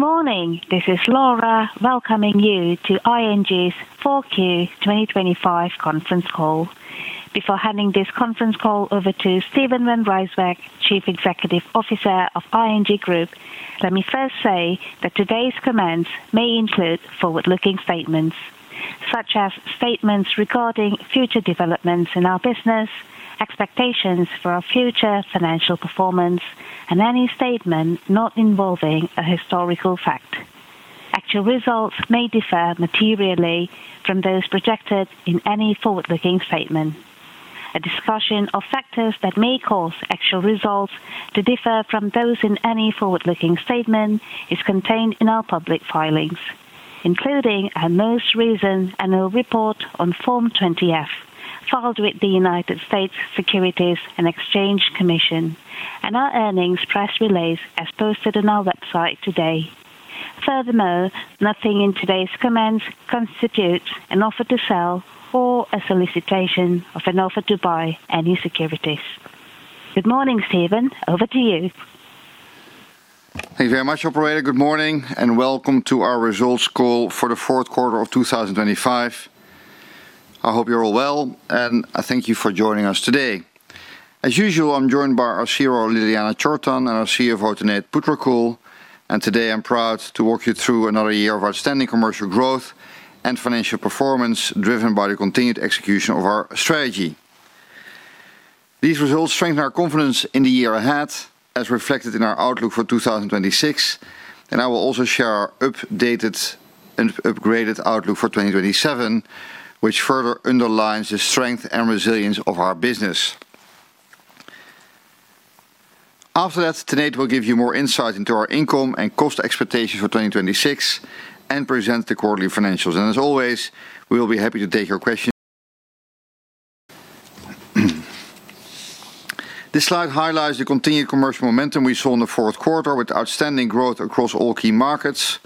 Good morning. This is Laura welcoming you to ING's 4Q 2025 conference call. Before handing this conference call over to Steven van Rijswijk, Chief Executive Officer of ING Group, let me first say that today's comments may include forward-looking statements, such as statements regarding future developments in our business, expectations for our future financial performance, and any statement not involving a historical fact. Actual results may differ materially from those projected in any forward-looking statement. A discussion of factors that may cause actual results to differ from those in any forward-looking statement is contained in our public filings, including our most recent annual report on Form 20-F filed with the United States Securities and Exchange Commission and our earnings press release as posted on our website today. Furthermore, nothing in today's comments constitutes an offer to sell or a solicitation of an offer to buy any securities. Good morning, Steven. Over to you. Thank you very much, Operator. Good morning and welcome to our results call for the fourth quarter of 2025. I hope you're all well, and I thank you for joining us today. As usual, I'm joined by our CRO, Ljiljana Čortan, and our CFO, Tanate Phutrakul. And today, I'm proud to walk you through another year of outstanding commercial growth and financial performance driven by the continued execution of our strategy. These results strengthen our confidence in the year ahead, as reflected in our outlook for 2026. And I will also share our updated and upgraded outlook for 2027, which further underlines the strength and resilience of our business. After that, Tanate will give you more insight into our income and cost expectations for 2026 and present the quarterly financials. And as always, we will be happy to take your questions. This slide highlights the continued commercial momentum we saw in the fourth quarter, with outstanding growth across all key markets.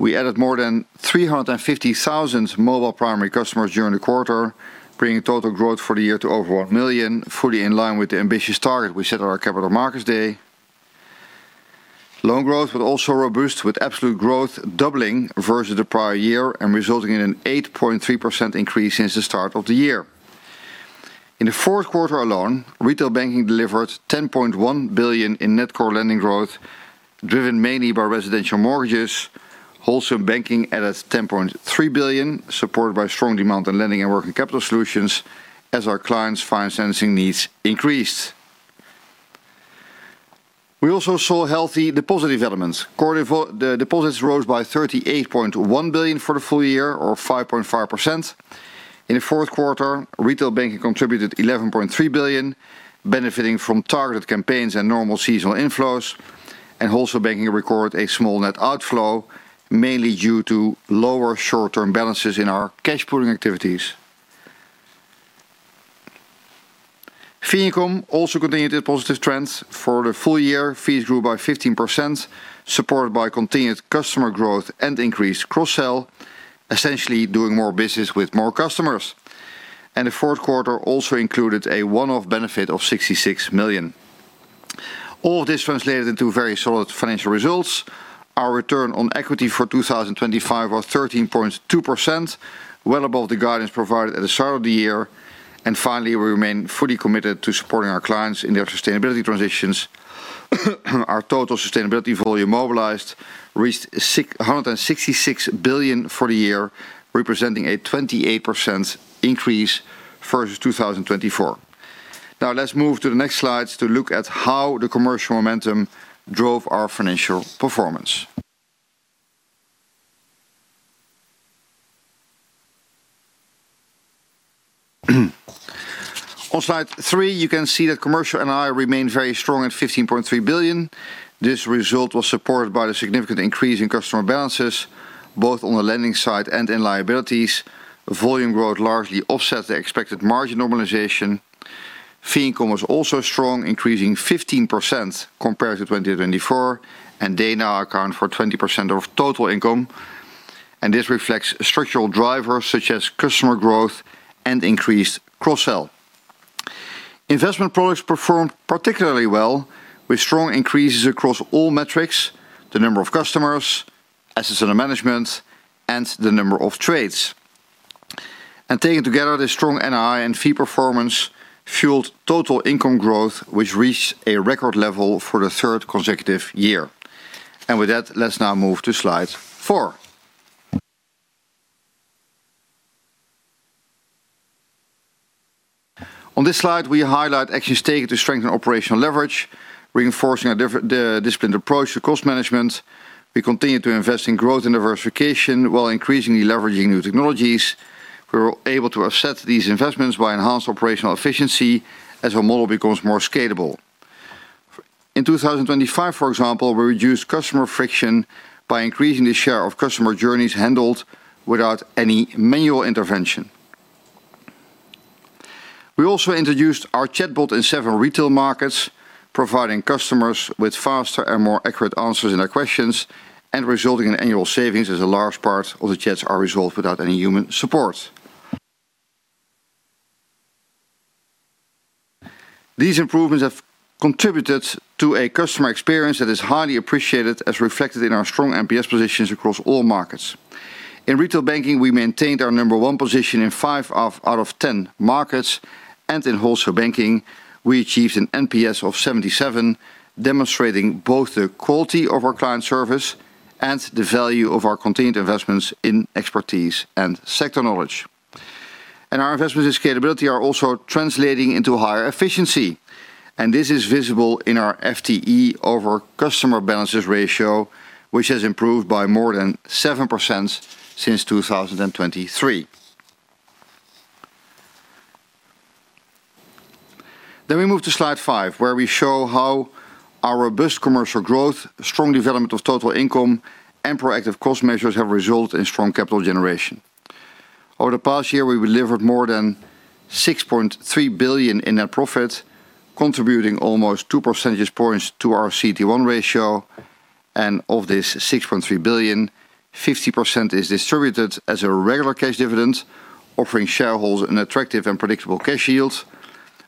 We added more than 350,000 mobile primary customers during the quarter, bringing total growth for the year to over 1 million, fully in line with the ambitious target we set at our Capital Markets Day. Loan growth was also robust, with absolute growth doubling versus the prior year and resulting in an 8.3% increase since the start of the year. In the fourth quarter alone, retail banking delivered 10.1 billion in net core lending growth, driven mainly by residential mortgages. Wholesale banking added 10.3 billion, supported by strong demand on lending and working capital solutions as our clients' financing needs increased. We also saw healthy deposit development. The deposits rose by 38.1 billion for the full year, or 5.5%. In the fourth quarter, retail banking contributed 11.3 billion, benefiting from targeted campaigns and normal seasonal inflows. Wholesale banking recorded a small net outflow, mainly due to lower short-term balances in our cash pooling activities. fee income also continued its positive trends. For the full year, fees grew by 15%, supported by continued customer growth and increased cross-sell, essentially doing more business with more customers. The fourth quarter also included a one-off benefit of 66 million. All of this translated into very solid financial results. Our return on equity for 2025 was 13.2%, well above the guidance provided at the start of the year. Finally, we remain fully committed to supporting our clients in their sustainability transitions. Our total sustainability volume mobilized reached 166 billion for the year, representing a 28% increase versus 2024. Now, let's move to the next slides to look at how the commercial momentum drove our financial performance. On slide 3, you can see Commercial NII remained very strong at 15.3 billion. This result was supported by the significant increase in customer balances, both on the lending side and in liabilities. Volume growth largely offsets the expected margin normalization. fee income was also strong, increasing 15% compared to 2024, and they now account for 20% of total income. This reflects structural drivers such as customer growth and increased cross-sell. Investment products performed particularly well, with strong increases across all metrics: the number of customers, assets under management, and the number of trades. Taken together, the strong NII and fee performance fueled total income growth, which reached a record level for the third consecutive year. With that, let's now move to slide 4. On this slide, we highlight actions taken to strengthen operational leverage, reinforcing a disciplined approach to cost management. We continue to invest in growth and diversification while increasingly leveraging new technologies. We were able to offset these investments by enhanced operational efficiency as our model becomes more scalable. In 2025, for example, we reduced customer friction by increasing the share of customer journeys handled without any manual intervention. We also introduced our chatbot in seven retail markets, providing customers with faster and more accurate answers in their questions and resulting in annual savings as a large part of the chats are resolved without any human support. These improvements have contributed to a customer experience that is highly appreciated, as reflected in our strong NPS positions across all markets. In retail banking, we maintained our number one position in five out of 10 markets. In wholesale banking, we achieved an NPS of 77, demonstrating both the quality of our client service and the value of our continued investments in expertise and sector knowledge. Our investments in scalability are also translating into higher efficiency. This is visible in our FTE over customer balances ratio, which has improved by more than 7% since 2023. We move to slide 5, where we show how our robust commercial growth, strong development of total income, and proactive cost measures have resulted in strong capital generation. Over the past year, we delivered more than 6.3 billion in net profit, contributing almost two percentage points to our CET1 ratio. Of this 6.3 billion, 50% is distributed as a regular cash dividend, offering shareholders an attractive and predictable cash yield.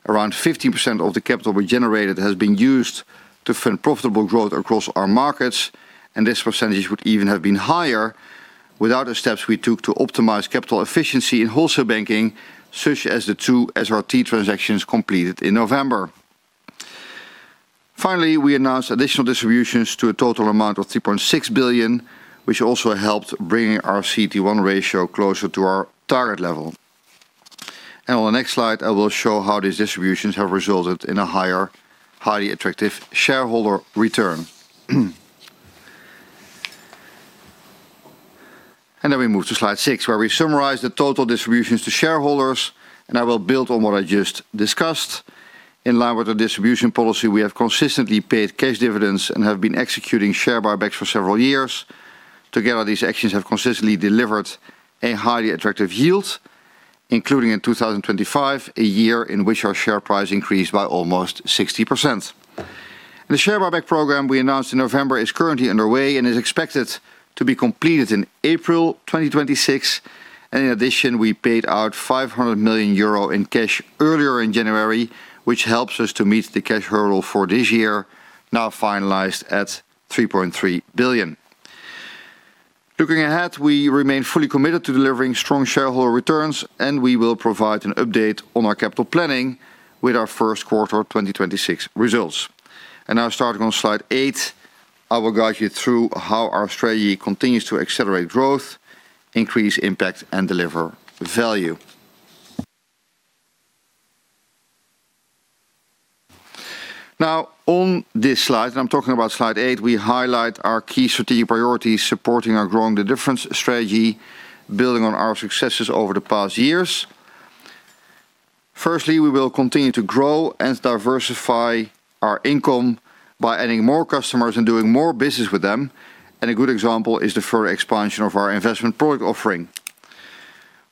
Around 15% of the capital we generated has been used to fund profitable growth across our markets. This percentage would even have been higher without the steps we took to optimize capital efficiency in wholesale banking, such as the two SRT transactions completed in November. Finally, we announced additional distributions to a total amount of 3.6 billion, which also helped bring our CET1 ratio closer to our target level. On the next slide, I will show how these distributions have resulted in a higher, highly attractive shareholder return. Then we move to slide six, where we summarize the total distributions to shareholders. I will build on what I just discussed. In line with the distribution policy, we have consistently paid cash dividends and have been executing share buybacks for several years. Together, these actions have consistently delivered a highly attractive yield, including in 2025, a year in which our share price increased by almost 60%. The share buyback program we announced in November is currently underway and is expected to be completed in April 2026. In addition, we paid out 500 million euro in cash earlier in January, which helps us to meet the cash hurdle for this year, now finalized at 3.3 billion. Looking ahead, we remain fully committed to delivering strong shareholder returns, and we will provide an update on our capital planning with our first quarter 2026 results. Now, starting on slide eight, I will guide you through how our strategy continues to accelerate growth, increase impact, and deliver value. Now, on this slide, and I'm talking about slide eight, we highlight our key strategic priorities supporting our Growing the Difference strategy, building on our successes over the past years. Firstly, we will continue to grow and diversify our income by adding more customers and doing more business with them. A good example is the further expansion of our investment product offering.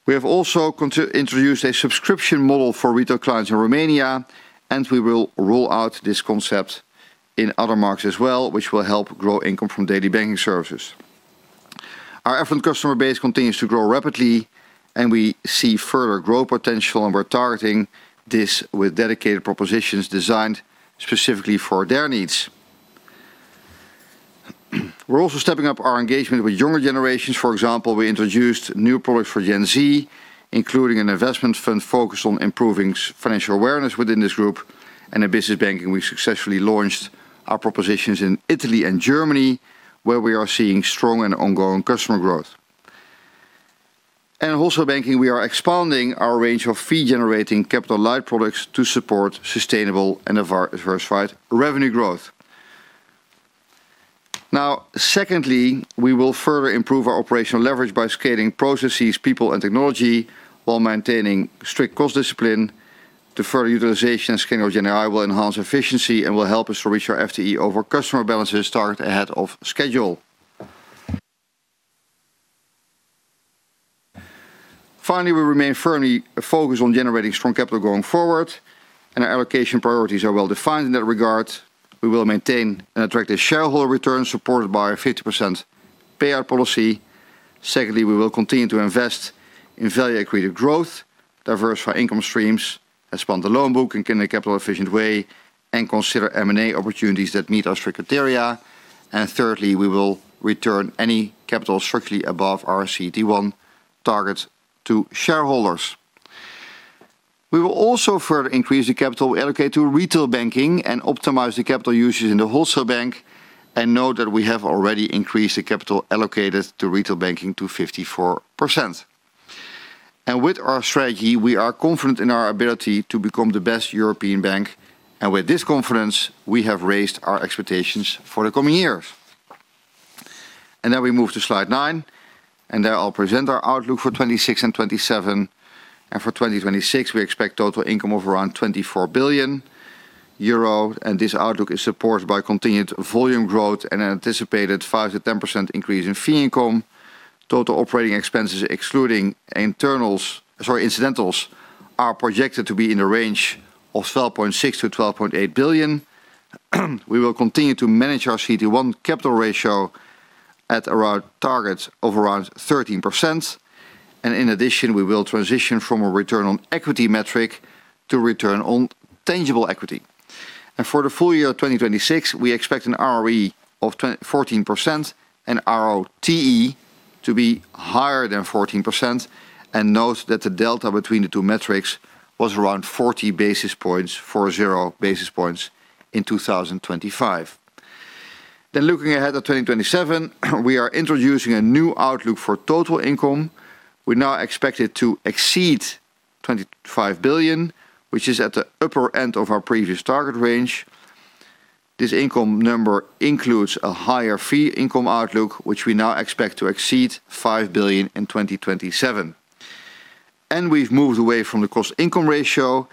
We have also introduced a subscription model for retail clients in Romania, and we will roll out this concept in other markets as well, which will help grow income from daily banking services. Our affluent customer base continues to grow rapidly, and we see further growth potential, and we're targeting this with dedicated propositions designed specifically for their needs. We're also stepping up our engagement with younger generations. For example, we introduced new products for Gen Z, including an investment fund focused on improving financial awareness within this group. In business banking, we successfully launched our propositions in Italy and Germany, where we are seeing strong and ongoing customer growth. In wholesale banking, we are expanding our range of fee-generating capital-light products to support sustainable and diversified revenue growth. Now, secondly, we will further improve our operational leverage by scaling processes, people, and technology while maintaining strict cost discipline. The further utilization and scaling of Gen AI will enhance efficiency and will help us to reach our FTE over customer balances targeted ahead of schedule. Finally, we remain firmly focused on generating strong capital going forward, and our allocation priorities are well-defined in that regard. We will maintain an attractive shareholder return supported by a 50% payout policy. Secondly, we will continue to invest in value-accretive growth, diversify income streams, expand the loan book in a capital-efficient way, and consider M&A opportunities that meet our strict criteria. And thirdly, we will return any capital structurally above our CET1 target to shareholders. We will also further increase the capital we allocate to retail banking and optimize the capital uses in the wholesale bank. Note that we have already increased the capital allocated to retail banking to 54%. With our strategy, we are confident in our ability to become the best European bank. With this confidence, we have raised our expectations for the coming years. Now we move to slide 9, and there I'll present our outlook for 2026 and 2027. For 2026, we expect total income of around €24 billion. This outlook is supported by continued volume growth and an anticipated 5%-10% increase in fee income. Total operating expenses excluding incidentals are projected to be in the range of 12.6 billion-12.8 billion. We will continue to manage our CET1 capital ratio at around target of around 13%. In addition, we will transition from a return on equity metric to return on tangible equity. For the full year of 2026, we expect an ROE of 14% and ROTE to be higher than 14%. Note that the delta between the two metrics was around 40 basis points for zero basis points in 2025. Looking ahead to 2027, we are introducing a new outlook for total income. We now expect it to exceed 25 billion, which is at the upper end of our previous target range. This income number includes a higher fee income outlook, which we now expect to exceed 5 billion in 2027. We've moved away from the cost income ratio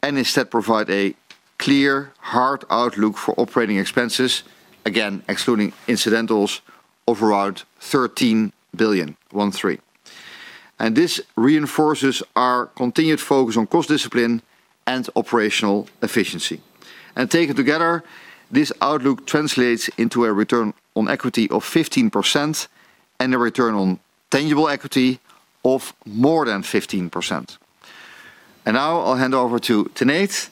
and instead provide a clear hard outlook for operating expenses, again excluding incidentals, of around 13 billion. This reinforces our continued focus on cost discipline and operational efficiency. Taken together, this outlook translates into a return on equity of 15% and a return on tangible equity of more than 15%. Now I'll hand over to Tanate,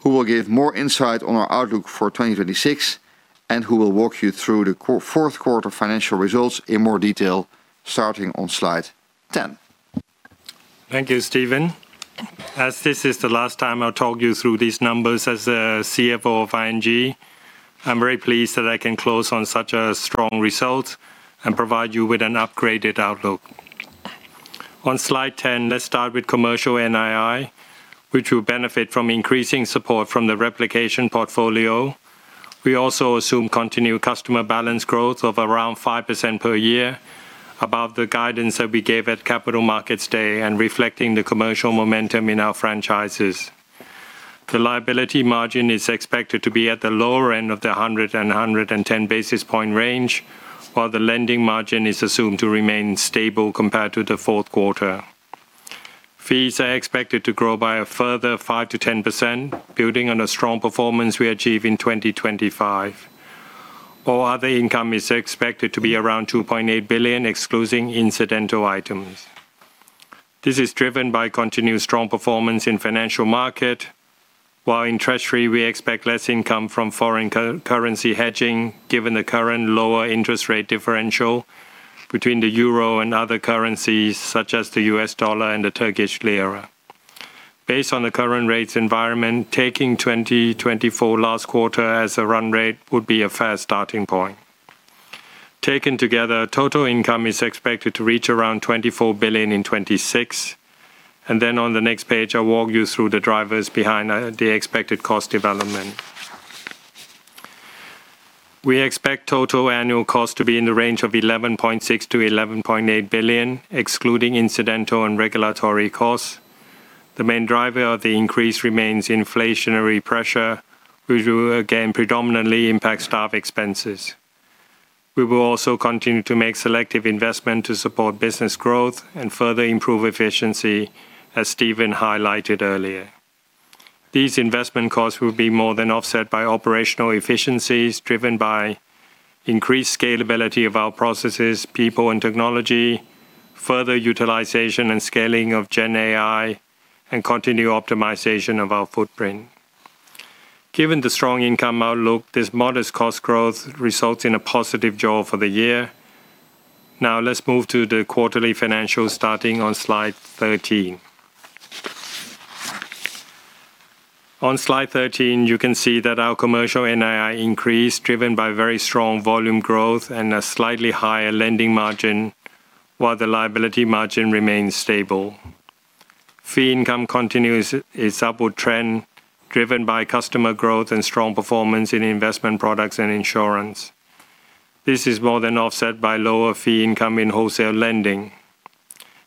who will give more insight on our outlook for 2026 and who will walk you through the fourth quarter financial results in more detail starting on slide 10. Thank you, Steven. As this is the last time I'll talk you through these numbers as the CFO of ING, I'm very pleased that I can close on such a strong result and provide you with an upgraded outlook. On slide 10, let's start Commercial NII, which will benefit from increasing support from the replication portfolio. We also assume continued customer balance growth of around 5% per year, above the guidance that we gave at Capital Markets Day and reflecting the commercial momentum in our franchises. The liability margin is expected to be at the lower end of the 100-110 basis point range, while the lending margin is assumed to remain stable compared to the fourth quarter. Fees are expected to grow by a further 5%-10%, building on a strong performance we achieve in 2025. All other income is expected to be around 2.8 billion, excluding incidental items. This is driven by continued strong performance in financial markets, while in treasury, we expect less income from foreign currency hedging given the current lower interest rate differential between the euro and other currencies, such as the US dollar and the Turkish lira. Based on the current rates environment, taking 2024 last quarter as a run rate would be a fair starting point. Taken together, total income is expected to reach around 24 billion in 2026. Then on the next page, I'll walk you through the drivers behind the expected cost development. We expect total annual cost to be in the range of 11.6 billion-11.8 billion, excluding incidental and regulatory costs. The main driver of the increase remains inflationary pressure, which will again predominantly impact staff expenses. We will also continue to make selective investment to support business growth and further improve efficiency, as Steven highlighted earlier. These investment costs will be more than offset by operational efficiencies driven by increased scalability of our processes, people, and technology, further utilization and scaling of Gen AI, and continued optimization of our footprint. Given the strong income outlook, this modest cost growth results in a positive jaws for the year. Now let's move to the quarterly financials starting on slide 13. On slide 13, you can see that Commercial NII increase, driven by very strong volume growth and a slightly higher lending margin, while the liability margin remains stable. fee income continues its upward trend, driven by customer growth and strong performance in investment products and insurance. This is more than offset by lower fee income in wholesale lending.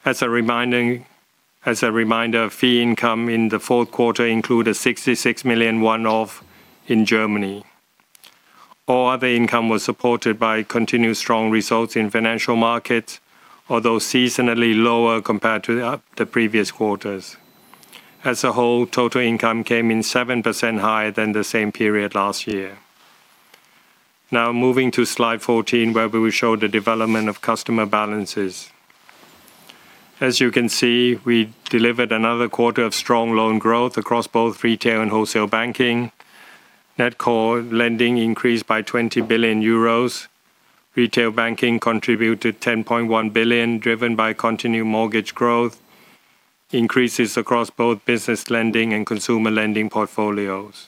As a reminder, fee income in the fourth quarter included a 66 million one-off in Germany. All other income was supported by continued strong results in financial markets, although seasonally lower compared to the previous quarters. As a whole, total income came in 7% higher than the same period last year. Now moving to slide 14, where we will show the development of customer balances. As you can see, we delivered another quarter of strong loan growth across both retail and wholesale banking. Net Core Lending increased by 20 billion euros. Retail banking contributed 10.1 billion, driven by continued mortgage growth, increases across both business lending and consumer lending portfolios.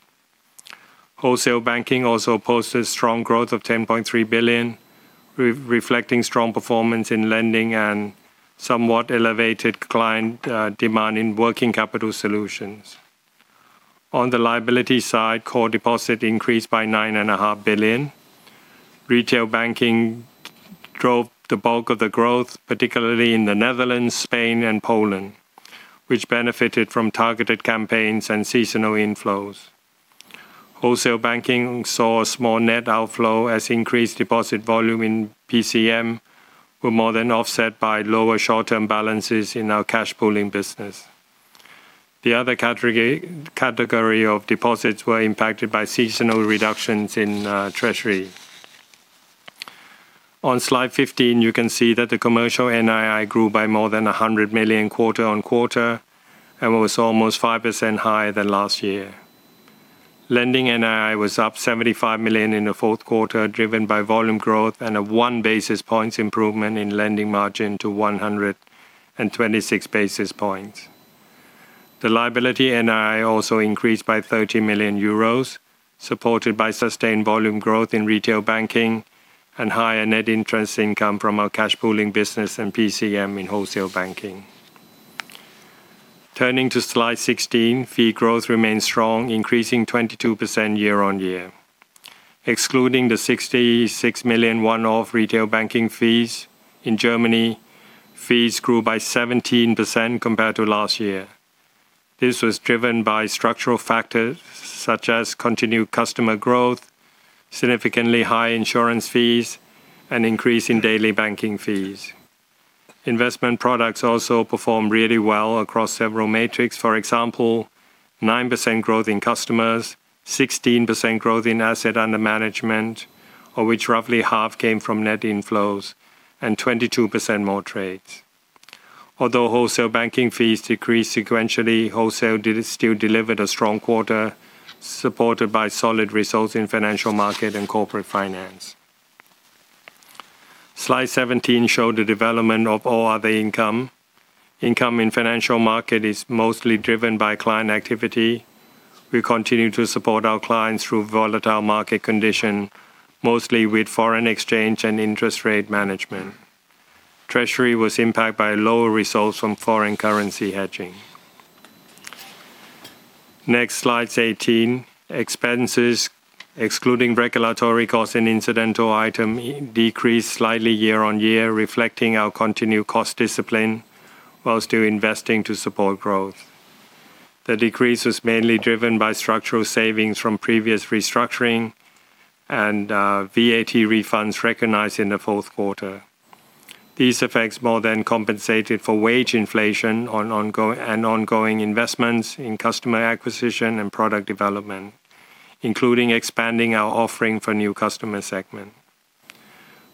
Wholesale banking also posted strong growth of 10.3 billion, reflecting strong performance in lending and somewhat elevated client demand in working capital solutions. On the liability side, core deposit increased by 9.5 billion. Retail banking drove the bulk of the growth, particularly in the Netherlands, Spain, and Poland, which benefited from targeted campaigns and seasonal inflows. Wholesale banking saw a small net outflow as increased deposit volume in PCM was more than offset by lower short-term balances in our cash pooling business. The other category of deposits were impacted by seasonal reductions in treasury. On slide 15, you can see that Commercial NII grew by more than 100 million quarter-on-quarter and was almost 5% higher than last year. Lending NII was up 75 million in the fourth quarter, driven by volume growth and a one basis point improvement in lending margin to 126 basis points. The liability NII also increased by 30 million euros, supported by sustained volume growth in retail banking and higher net interest income from our cash pooling business and PCM in wholesale banking. Turning to slide 16, fee growth remains strong, increasing 22% year-on-year. Excluding the 66 million one-off retail banking fees in Germany, fees grew by 17% compared to last year. This was driven by structural factors such as continued customer growth, significantly high insurance fees, and increase in daily banking fees. Investment products also performed really well across several metrics. For example, 9% growth in customers, 16% growth in asset under management, of which roughly half came from net inflows, and 22% more trades. Although wholesale banking fees decreased sequentially, wholesale still delivered a strong quarter, supported by solid results in financial market and corporate finance. Slide 17 showed the development of all other income. Income in financial market is mostly driven by client activity. We continue to support our clients through volatile market conditions, mostly with foreign exchange and interest rate management. Treasury was impacted by lower results from foreign currency hedging. Next, Slide 18, expenses, excluding regulatory costs and incidental items, decreased slightly year-over-year, reflecting our continued cost discipline while still investing to support growth. The decrease was mainly driven by structural savings from previous restructuring and VAT refunds recognized in the fourth quarter. These effects more than compensated for wage inflation and ongoing investments in customer acquisition and product development, including expanding our offering for new customer segments.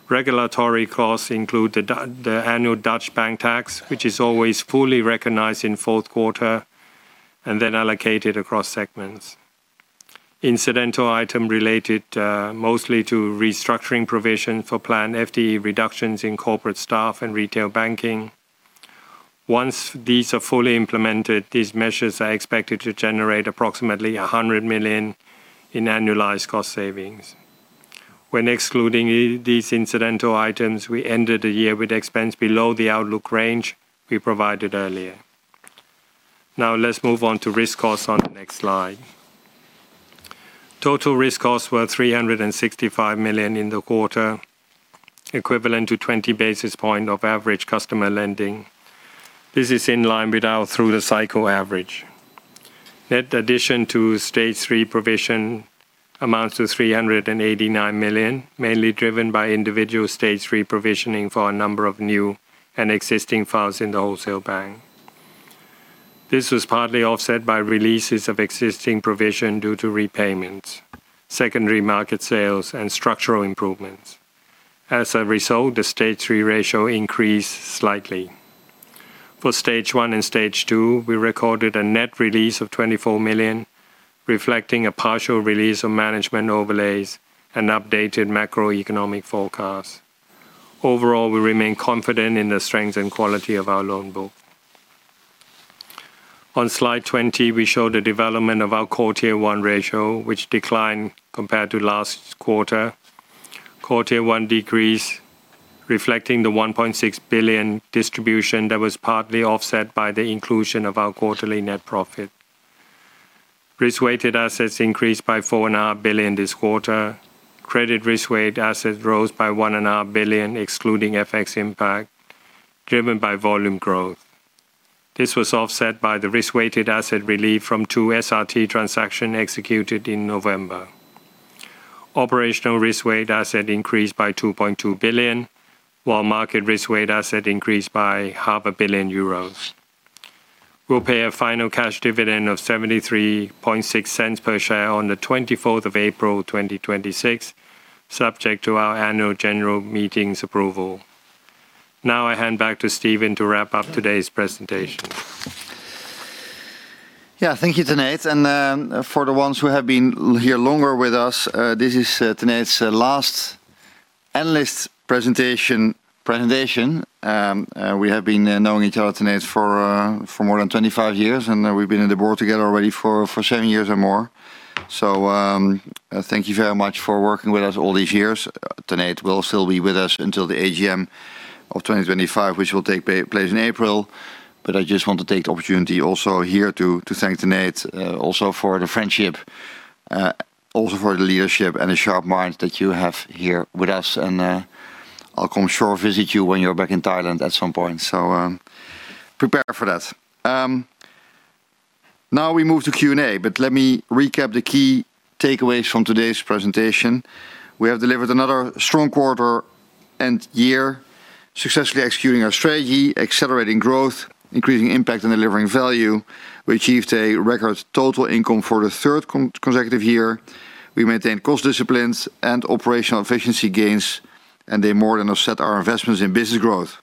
Regulatory costs include the annual Dutch bank tax, which is always fully recognized in fourth quarter and then allocated across segments. Incidental items related mostly to restructuring provisions for planned FTE reductions in corporate staff and retail banking. Once these are fully implemented, these measures are expected to generate approximately 100 million in annualized cost savings. When excluding these incidental items, we ended the year with expenses below the outlook range we provided earlier. Now let's move on to risk costs on the next slide. Total risk costs were 365 million in the quarter, equivalent to 20 basis points of average customer lending. This is in line with our through-the-cycle average. Net addition to stage three provision amounts to 389 million, mainly driven by individual stage three provisioning for a number of new and existing files in the wholesale bank. This was partly offset by releases of existing provision due to repayments, secondary market sales, and structural improvements. As a result, the Stage 3 ratio increased slightly. For Stage 1 and Stage 2, we recorded a net release of 24 million, reflecting a partial release of management overlays and updated macroeconomic forecasts. Overall, we remain confident in the strength and quality of our loan book. On slide 20, we show the development of our CET1 ratio, which declined compared to last quarter. CET1 decreased, reflecting the 1.6 billion distribution that was partly offset by the inclusion of our quarterly net profit. Risk-weighted assets increased by 4.5 billion this quarter. Credit risk-weighted assets rose by 1.5 billion, excluding FX impact, driven by volume growth. This was offset by the risk-weighted asset relief from two SRT transactions executed in November. Operational risk-weighted assets increased by 2.2 billion, while market risk-weighted assets increased by 0.5 billion euros. We'll pay a final cash dividend of 0.736 per share on the 24th of April 2026, subject to our Annual General Meeting's approval. Now I hand back to Steven to wrap up today's presentation. Yeah, thank you, Tanate. And for the ones who have been here longer with us, this is Tanate's last analyst presentation. We have been knowing each other, Tanate, for more than 25 years, and we've been in the board together already for seven years or more. So thank you very much for working with us all these years. Tanate will still be with us until the AGM of 2026, which will take place in April. But I just want to take the opportunity also here to thank Tanate also for the friendship, also for the leadership and the sharp minds that you have here with us. And I'll come for sure to visit you when you're back in Thailand at some point. So prepare for that. Now we move to Q&A, but let me recap the key takeaways from today's presentation. We have delivered another strong quarter and year, successfully executing our strategy, accelerating growth, increasing impact, and delivering value. We achieved a record total income for the third consecutive year. We maintained cost disciplines and operational efficiency gains, and they more than offset our investments in business growth.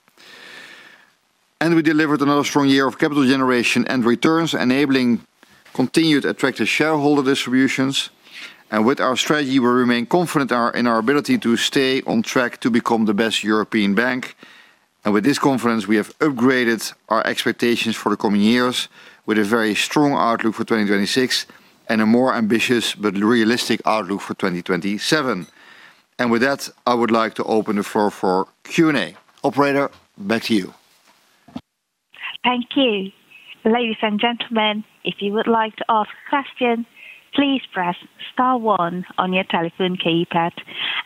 And we delivered another strong year of capital generation and returns, enabling continued attractive shareholder distributions. And with our strategy, we remain confident in our ability to stay on track to become the best European bank. And with this confidence, we have upgraded our expectations for the coming years with a very strong outlook for 2026 and a more ambitious but realistic outlook for 2027. And with that, I would like to open the floor for Q&A.Operator, back to you. Thank you. Ladies and gentlemen, if you would like to ask a question, please press star one on your telephone keypad.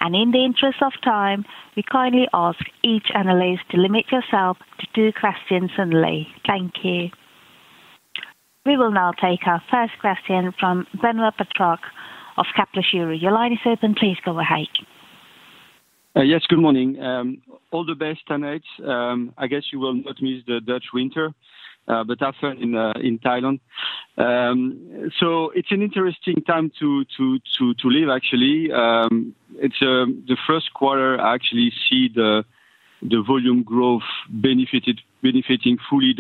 And in the interest of time, we kindly ask each analyst to limit yourself to two questions only. Thank you. We will now take our first question from Benoit Pétrarque of Kepler Cheuvreux. Your line is open. Please go ahead. Yes, good morning. All the best, Tanate. I guess you will not miss the Dutch winter, but after in Thailand. So it's an interesting time to live, actually. It's the first quarter I actually see the volume growth benefiting fully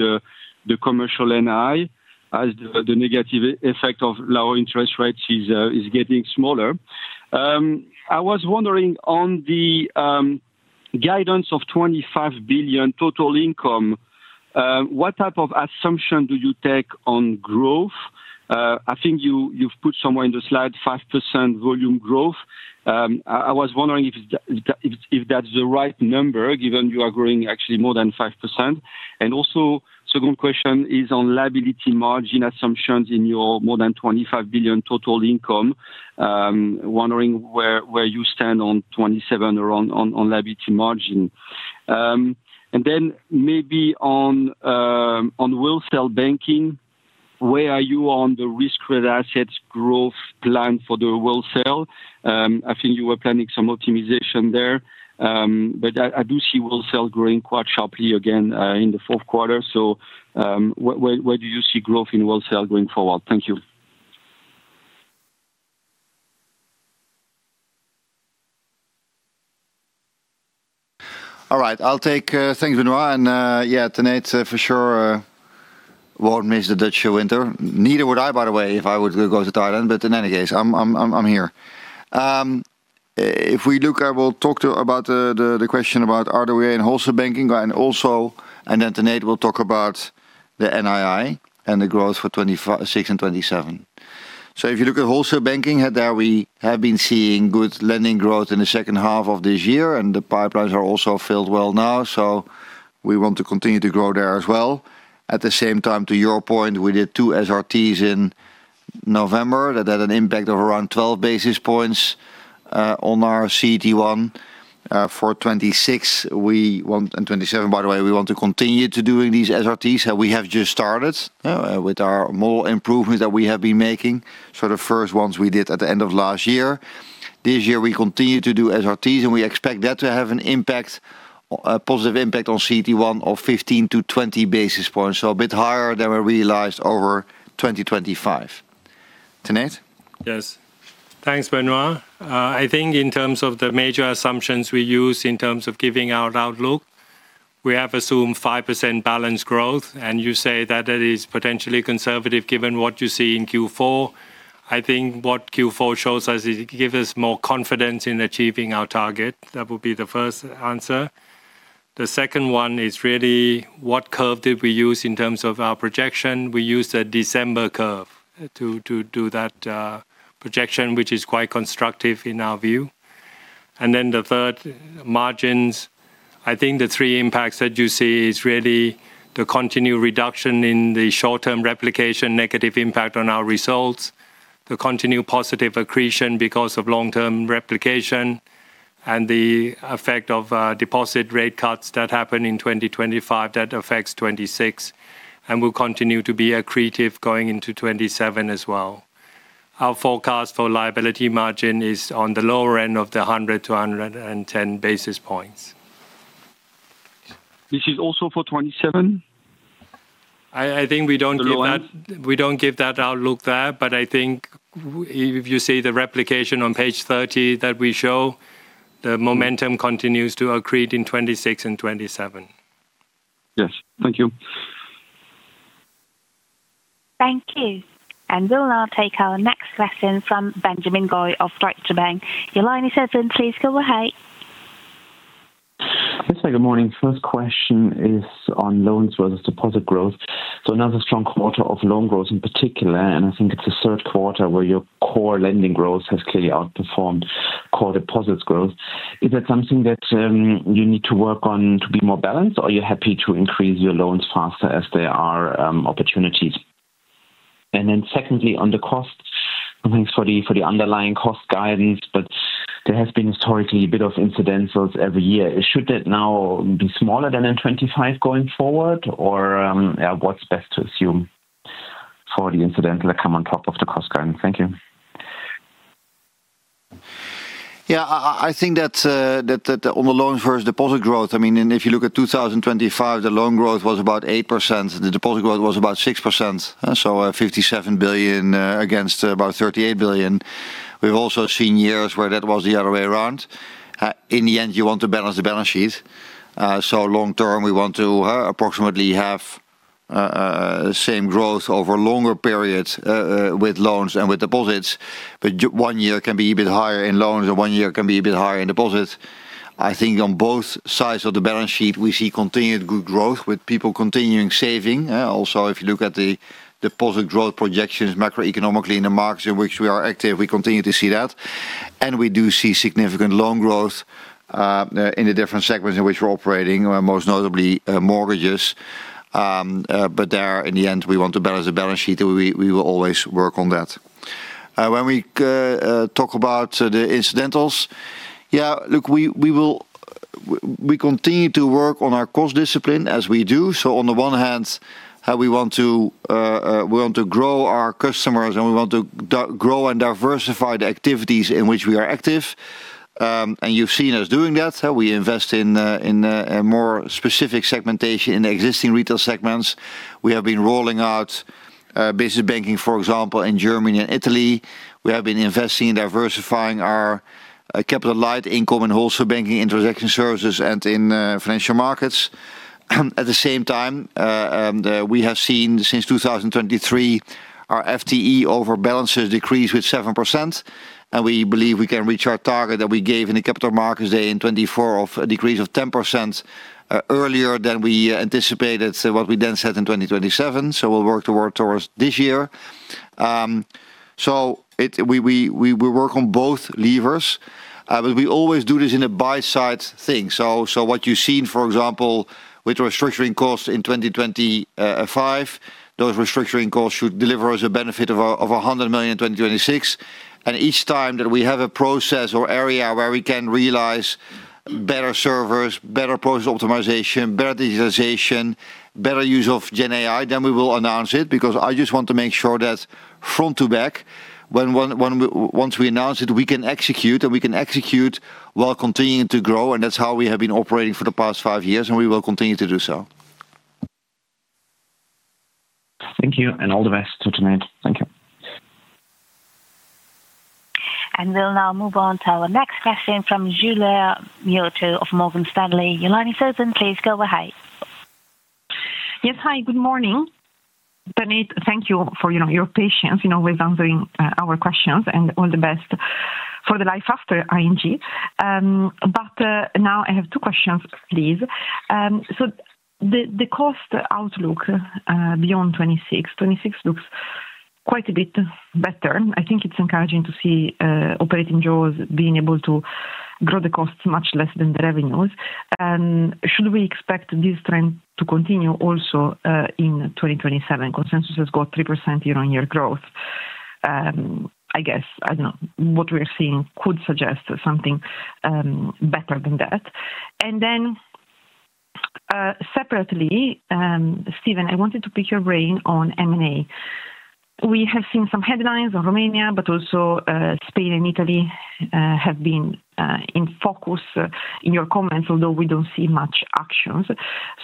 Commercial NII as the negative effect of lower interest rates is getting smaller. I was wondering on the guidance of 25 billion total income, what type of assumption do you take on growth? I think you've put somewhere in the slide 5% volume growth. I was wondering if that's the right number, given you are growing actually more than 5%. And also, second question is on liability margin assumptions in your more than 25 billion total income. Wondering where you stand on 27 around on liability margin. And then maybe on wholesale banking, where are you on the risk-weighted assets growth plan for the wholesale? I think you were planning some optimization there, but I do see wholesale growing quite sharply again in the fourth quarter. So where do you see growth in wholesale going forward? Thank you. All right, I'll take thanks, Benoit. And yeah, Tanate, for sure, won't miss the Dutch winter. Neither would I, by the way, if I were to go to Thailand. But in any case, I'm here. If we look, I will talk to you about the question about are there ways in wholesale banking and also, and then Tanate will talk about the NII and the growth for 2026 and 2027. So if you look at wholesale banking, there we have been seeing good lending growth in the second half of this year, and the pipelines are also filled well now. So we want to continue to grow there as well. At the same time, to your point, we did 2 SRTs in November that had an impact of around 12 basis points on our CET1 for 2026 and 2027. By the way, we want to continue to do these SRTs that we have just started with our more improvements that we have been making. So the first ones we did at the end of last year. This year, we continue to do SRTs, and we expect that to have a positive impact on CET1 of 15-20 basis points, so a bit higher than we realized over 2025. Tanate? Yes. Thanks, Benoit. I think in terms of the major assumptions we use in terms of giving our outlook, we have assumed 5% balance growth. And you say that that is potentially conservative given what you see in Q4. I think what Q4 shows us is it gives us more confidence in achieving our target. That would be the first answer. The second one is really what curve did we use in terms of our projection? We used a December curve to do that projection, which is quite constructive in our view. And then the third, margins. I think the three impacts that you see is really the continued reduction in the short-term replication, negative impact on our results, the continued positive accretion because of long-term replication, and the effect of deposit rate cuts that happen in 2025 that affects 2026. And we'll continue to be accretive going into 2027 as well. Our forecast for liability margin is on the lower end of the 100-110 basis points. This is also for 2027? I think we don't give that outlook there, but I think if you see the replication on page 30 that we show, the momentum continues to accrete in 2026 and 2027. Yes, thank you. Thank you. And we'll now take our next question from Benjamin Goy of Deutsche Bank.Your line is open, please go ahead. Yes, good morning. First question is on loans versus deposit growth. So another strong quarter of loan growth in particular, and I think it's the third quarter where your core lending growth has clearly outperformed core deposits growth. Is that something that you need to work on to be more balanced, or are you happy to increase your loans faster as there are opportunities? And then secondly, on the cost, thanks for the underlying cost guidance, but there has been historically a bit of incidentals every year. Should that now be smaller than in 2025 going forward, or what's best to assume for the incidental that come on top of the cost guidance? Thank you. Yeah, I think that on the loans versus deposit growth, I mean, if you look at 2025, the loan growth was about 8%.The deposit growth was about 6%, so 57 billion against about 38 billion. We've also seen years where that was the other way around. In the end, you want to balance the balance sheet. So long term, we want to approximately have the same growth over longer periods with loans and with deposits. But one year can be a bit higher in loans, and one year can be a bit higher in deposits. I think on both sides of the balance sheet, we see continued good growth with people continuing saving. Also, if you look at the deposit growth projections macroeconomically in the markets in which we are active, we continue to see that. And we do see significant loan growth in the different segments in which we're operating, most notably mortgages. But there, in the end, we want to balance the balance sheet. We will always work on that. When we talk about the incidentals, yeah, look, we continue to work on our cost discipline as we do. So on the one hand, we want to grow our customers, and we want to grow and diversify the activities in which we are active. And you've seen us doing that. We invest in more specific segmentation in existing retail segments. We have been rolling out business banking, for example, in Germany and Italy. We have been investing in diversifying our capital light income and wholesale banking intersection services and in financial markets. At the same time, we have seen since 2023, our FTE over balances decreased with 7%. And we believe we can reach our target that we gave in the capital markets day in 2024 of a decrease of 10% earlier than we anticipated what we then said in 2027. So we'll work towards this year. So we work on both levers, but we always do this in a buy-side thing. So what you've seen, for example, with restructuring costs in 2025, those restructuring costs should deliver us a benefit of 100 million in 2026. And each time that we have a process or area where we can realize better servers, better process optimization, better digitization, better use of GenAI, then we will announce it because I just want to make sure that front to back, once we announce it, we can execute, and we can execute while continuing to grow. And that's how we have been operating for the past five years, and we will continue to do so. Thank you, and all the best to Tanate. Thank you. And we'll now move on to our next question from Giulia Miotto of Morgan Stanley. Your line is open, please go ahead. Yes, hi, good morning. Tanate, thank you for your patience with answering our questions and all the best for the life after ING. But now I have two questions, please. So the cost outlook beyond 2026 looks quite a bit better. I think it's encouraging to see operating growth being able to grow the costs much less than the revenues. And should we expect this trend to continue also in 2027? Consensus has got 3% year-on-year growth. I guess, I don't know, what we're seeing could suggest something better than that. And then separately, Steven, I wanted to pick your brain on M&A. We have seen some headlines on Romania, but also Spain and Italy have been in focus in your comments, although we don't see much actions.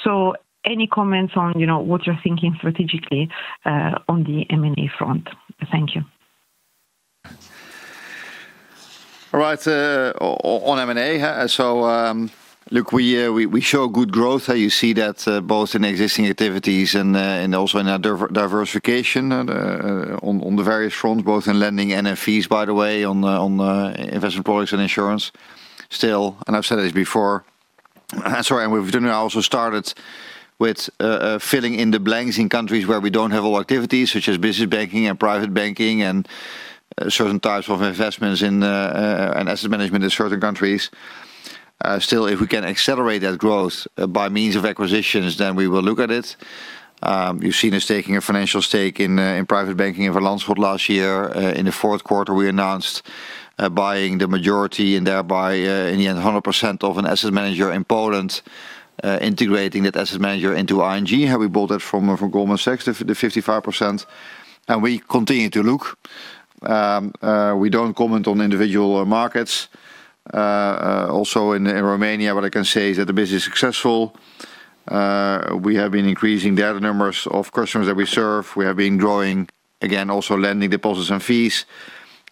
So any comments on what you're thinking strategically on the M&A front? Thank you. All right, on M&A, so look, we show good growth. You see that both in existing activities and also in our diversification on the various fronts, both in lending and fees, by the way, on investment products and insurance still. And I've said this before. Sorry, and we've also started with filling in the blanks in countries where we don't have all activities, such as business banking and private banking and certain types of investments in asset management in certain countries. Still, if we can accelerate that growth by means of acquisitions, then we will look at it. You've seen us taking a financial stake in private banking in Valence for last year. In the fourth quarter, we announced buying the majority and thereby, in the end, 100% of an asset manager in Poland, integrating that asset manager into ING. We bought it from Goldman Sachs, the 55%. And we continue to look. We don't comment on individual markets. Also in Romania, what I can say is that the business is successful. We have been increasing data numbers of customers that we serve. We have been growing, again, also lending deposits and fees.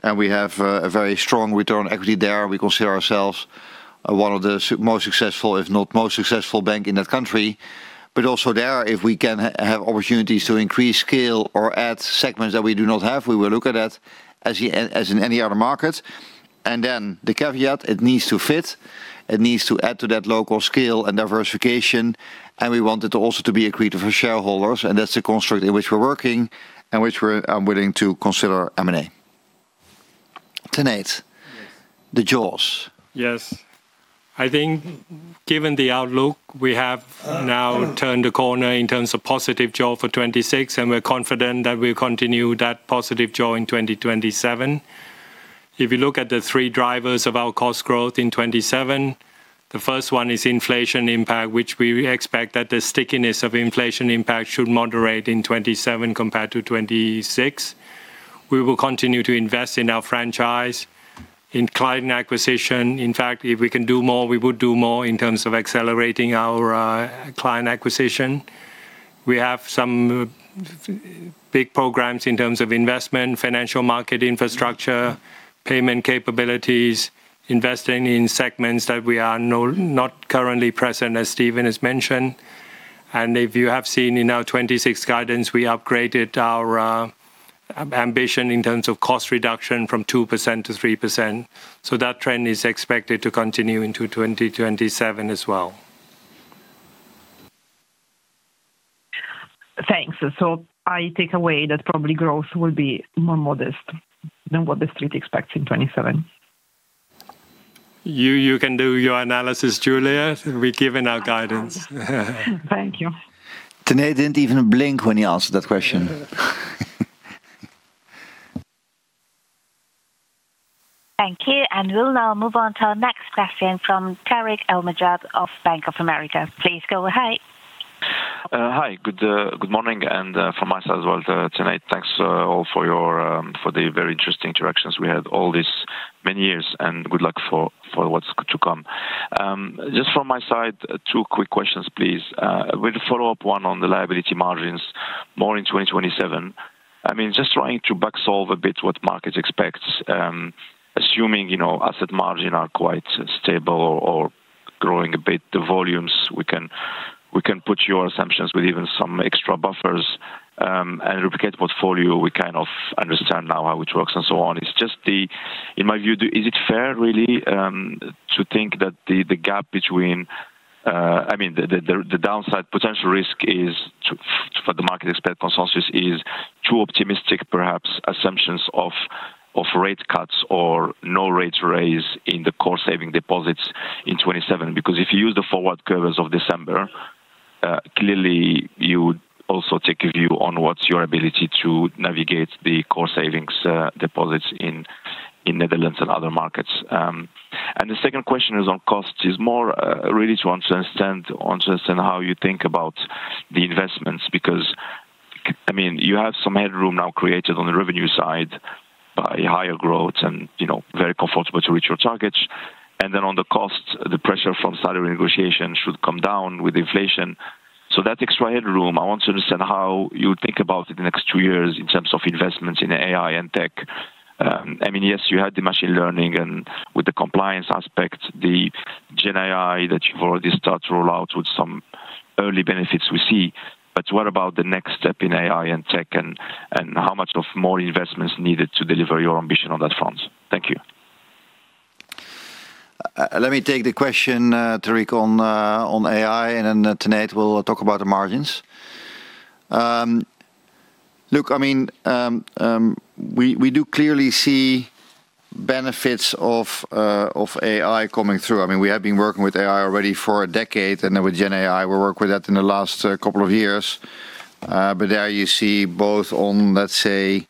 And we have a very strong return on equity there. We consider ourselves one of the most successful, if not most successful bank in that country. But also there, if we can have opportunities to increase scale or add segments that we do not have, we will look at that as in any other market. And then the caveat, it needs to fit. It needs to add to that local scale and diversification. And we want it to also be accretive for shareholders. And that's the construct in which we're working and which we're willing to consider M&A. Tanate, the jaws. Yes.I think given the outlook, we have now turned the corner in terms of positive jaws for 2026, and we're confident that we'll continue that positive jaws in 2027. If you look at the three drivers of our cost growth in 2027, the first one is inflation impact, which we expect that the stickiness of inflation impact should moderate in 2027 compared to 2026. We will continue to invest in our franchise, in client acquisition. In fact, if we can do more, we would do more in terms of accelerating our client acquisition. We have some big programs in terms of investment, financial market infrastructure, payment capabilities, investing in segments that we are not currently present, as Steven has mentioned. And if you have seen in our 2026 guidance, we upgraded our ambition in terms of cost reduction from 2% to 3%. So that trend is expected to continue into 2027 as well. Thanks. So I take away that probably growth will be more modest than what the street expects in 2027. You can do your analysis, Julia, given our guidance. Thank you. Tanate didn't even blink when he answered that question. Thank you. And we'll now move on to our next question from Tarik El Mejjad of Bank of America. Please go ahead. Hi, good morning. And from my side as well, Tanate, thanks all for the very interesting interactions we had all these many years, and good luck for what's to come. Just from my side, two quick questions, please. With the follow-up one on the liability margins, more in 2027. I mean, just trying to backsolve a bit what markets expect, assuming asset margins are quite stable or growing a bit, the volumes, we can put your assumptions with even some extra buffers and replicate portfolio. We kind of understand now how it works and so on. It's just the, in my view, is it fair really to think that the gap between, I mean, the downside potential risk is for the market expect consensus is too optimistic, perhaps, assumptions of rate cuts or no rate raise in the core savings deposits in 2027? Because if you use the forward curves of December, clearly you also take a view on what's your ability to navigate the core savings deposits in Netherlands and other markets. And the second question is on cost. It's more really to understand how you think about the investments because, I mean, you have some headroom now created on the revenue side by higher growth and very comfortable to reach your targets. And then on the cost, the pressure from salary negotiation should come down with inflation. So that extra headroom, I want to understand how you would think about it in the next two years in terms of investments in AI and tech. I mean, yes, you had the machine learning and with the compliance aspect, the GenAI that you've already started to roll out with some early benefits we see. But what about the next step in AI and tech and how much of more investments needed to deliver your ambition on that front? Thank you. Let me take the question, Tarik, on AI, and then Tanate will talk about the margins. Look, I mean, we do clearly see benefits of AI coming through. I mean, we have been working with AI already for a decade and with GenAI. We worked with that in the last couple of years. But there you see both on, let's say,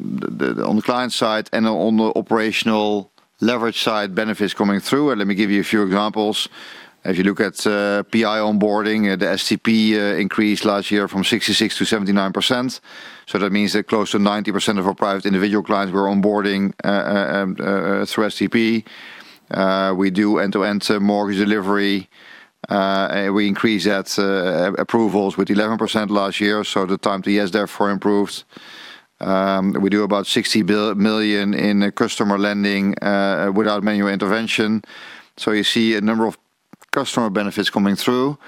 the client side and on the operational leverage side benefits coming through. And let me give you a few examples. If you look at PI onboarding, the STP increased last year from 66% to 79%. So that means that close to 90% of our private individual clients were onboarding through STP. We do end-to-end mortgage delivery. We increased that approvals with 11% last year. So the time to yes therefore improved. We do about 60 million in customer lending without manual intervention. So you see a number of customer benefits coming through.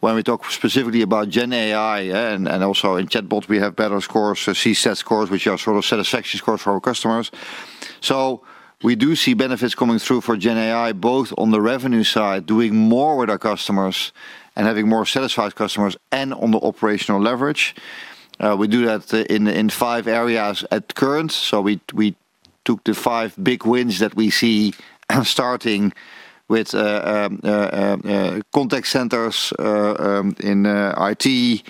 When we talk specifically about GenAI and also in Chatbot, we have better scores, CSAT scores, which are sort of satisfaction scores for our customers. So we do see benefits coming through for GenAI, both on the revenue side, doing more with our customers and having more satisfied customers and on the operational leverage. We do that in five areas at current. So we took the five big wins that we see starting with contact centers in IT,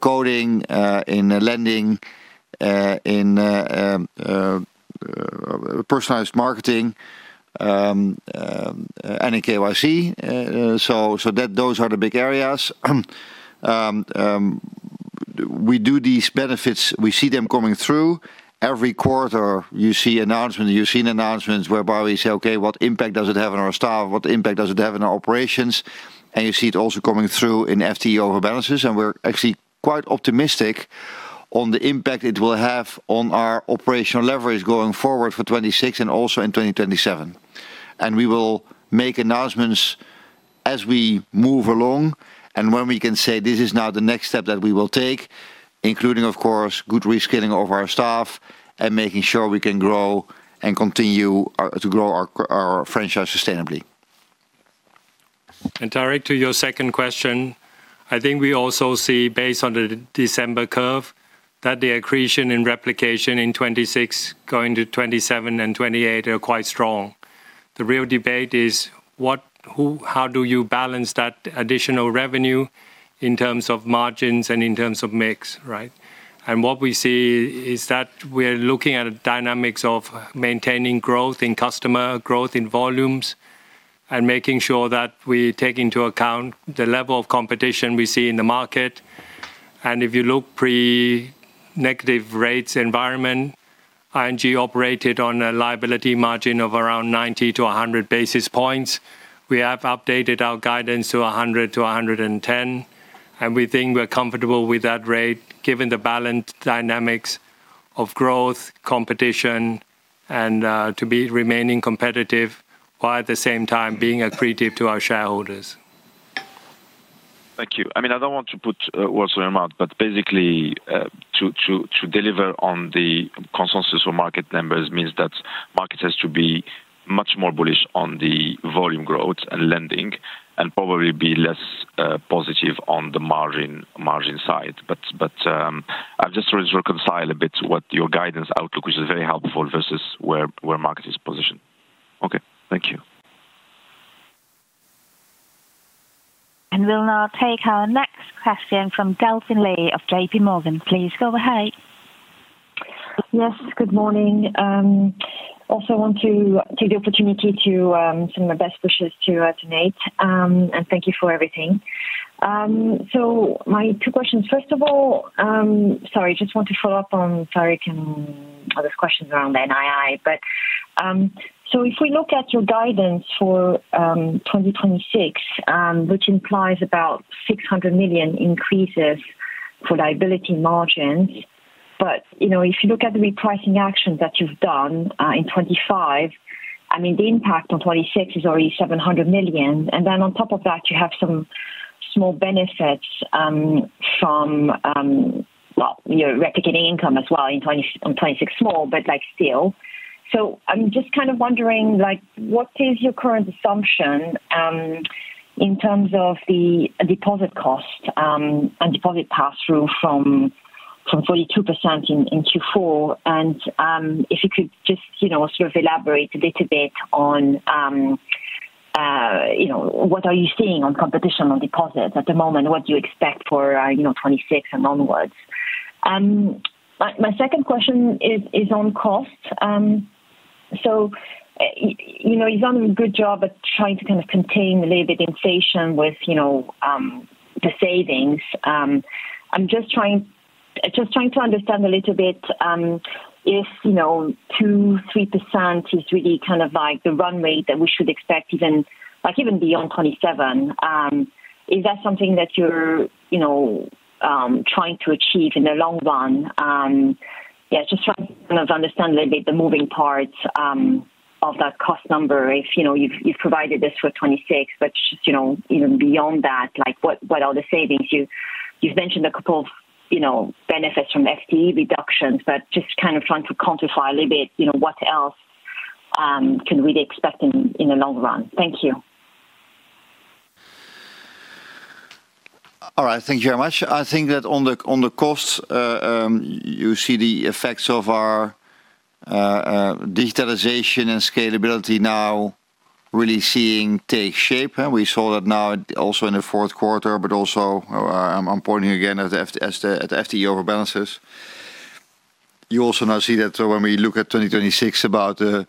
coding, in lending, in personalized marketing, and in KYC. So those are the big areas. We do these benefits. We see them coming through. Every quarter, you see announcements, you've seen announcements whereby we say, okay, what impact does it have on our staff? What impact does it have on our operations? And you see it also coming through in FTE over balances. We're actually quite optimistic on the impact it will have on our operational leverage going forward for 2026 and also in 2027. We will make announcements as we move along. When we can say this is now the next step that we will take, including, of course, good reskilling of our staff and making sure we can grow and continue to grow our franchise sustainably. Tarek, to your second question, I think we also see, based on the December curve, that the accretion in replication in 2026 going to 2027 and 2028 are quite strong. The real debate is how do you balance that additional revenue in terms of margins and in terms of mix, right? What we see is that we're looking at a dynamic of maintaining growth in customer growth in volumes and making sure that we take into account the level of competition we see in the market. If you look pre-negative rates environment, ING operated on a liability margin of around 90-100 basis points. We have updated our guidance to 100-110. We think we're comfortable with that rate given the balanced dynamics of growth, competition, and to be remaining competitive while at the same time being accretive to our shareholders. Thank you. I mean, I don't want to put words in your mouth, but basically, to deliver on the consensus of market numbers means that market has to be much more bullish on the volume growth and lending and probably be less positive on the margin side. But I've just sort of reconciled a bit what your guidance outlook, which is very helpful versus where market is positioned. Okay, thank you. And we'll now take our next question from Delphine Lee of J.P. Morgan. Please go ahead. Yes, good morning. Also, I want to take the opportunity to send my best wishes to Tanate and thank you for everything. So my two questions. First of all, sorry, just want to follow up on Tarek and other questions around NII. But so if we look at your guidance for 2026, which implies about 600 million increases for liability margins, but if you look at the repricing action that you've done in 2025, I mean, the impact on 2026 is already 700 million. And then on top of that, you have some small benefits from, well, your replicating income as well on 2026 small, but still. So I'm just kind of wondering, what is your current assumption in terms of the deposit cost and deposit pass-through from 42% in Q4? And if you could just sort of elaborate a little bit on what are you seeing on competition on deposits at the moment, what do you expect for 2026 and onwards? My second question is on cost. So you've done a good job at trying to kind of contain a little bit of inflation with the savings. I'm just trying to understand a little bit if 2%-3% is really kind of like the run rate that we should expect even beyond 2027. Is that something that you're trying to achieve in the long run? Yeah, just trying to kind of understand a little bit the moving parts of that cost number if you've provided this for 2026, but even beyond that, what are the savings? You've mentioned a couple of benefits from FTE reductions, but just kind of trying to quantify a little bit what else can we expect in the long run. Thank you. All right. Thank you very much. I think that on the cost, you see the effects of our digitalization and scalability now really seeing take shape. We saw that now also in the fourth quarter, but also I'm pointing again at the FTE over balances. You also now see that when we look at 2026, about the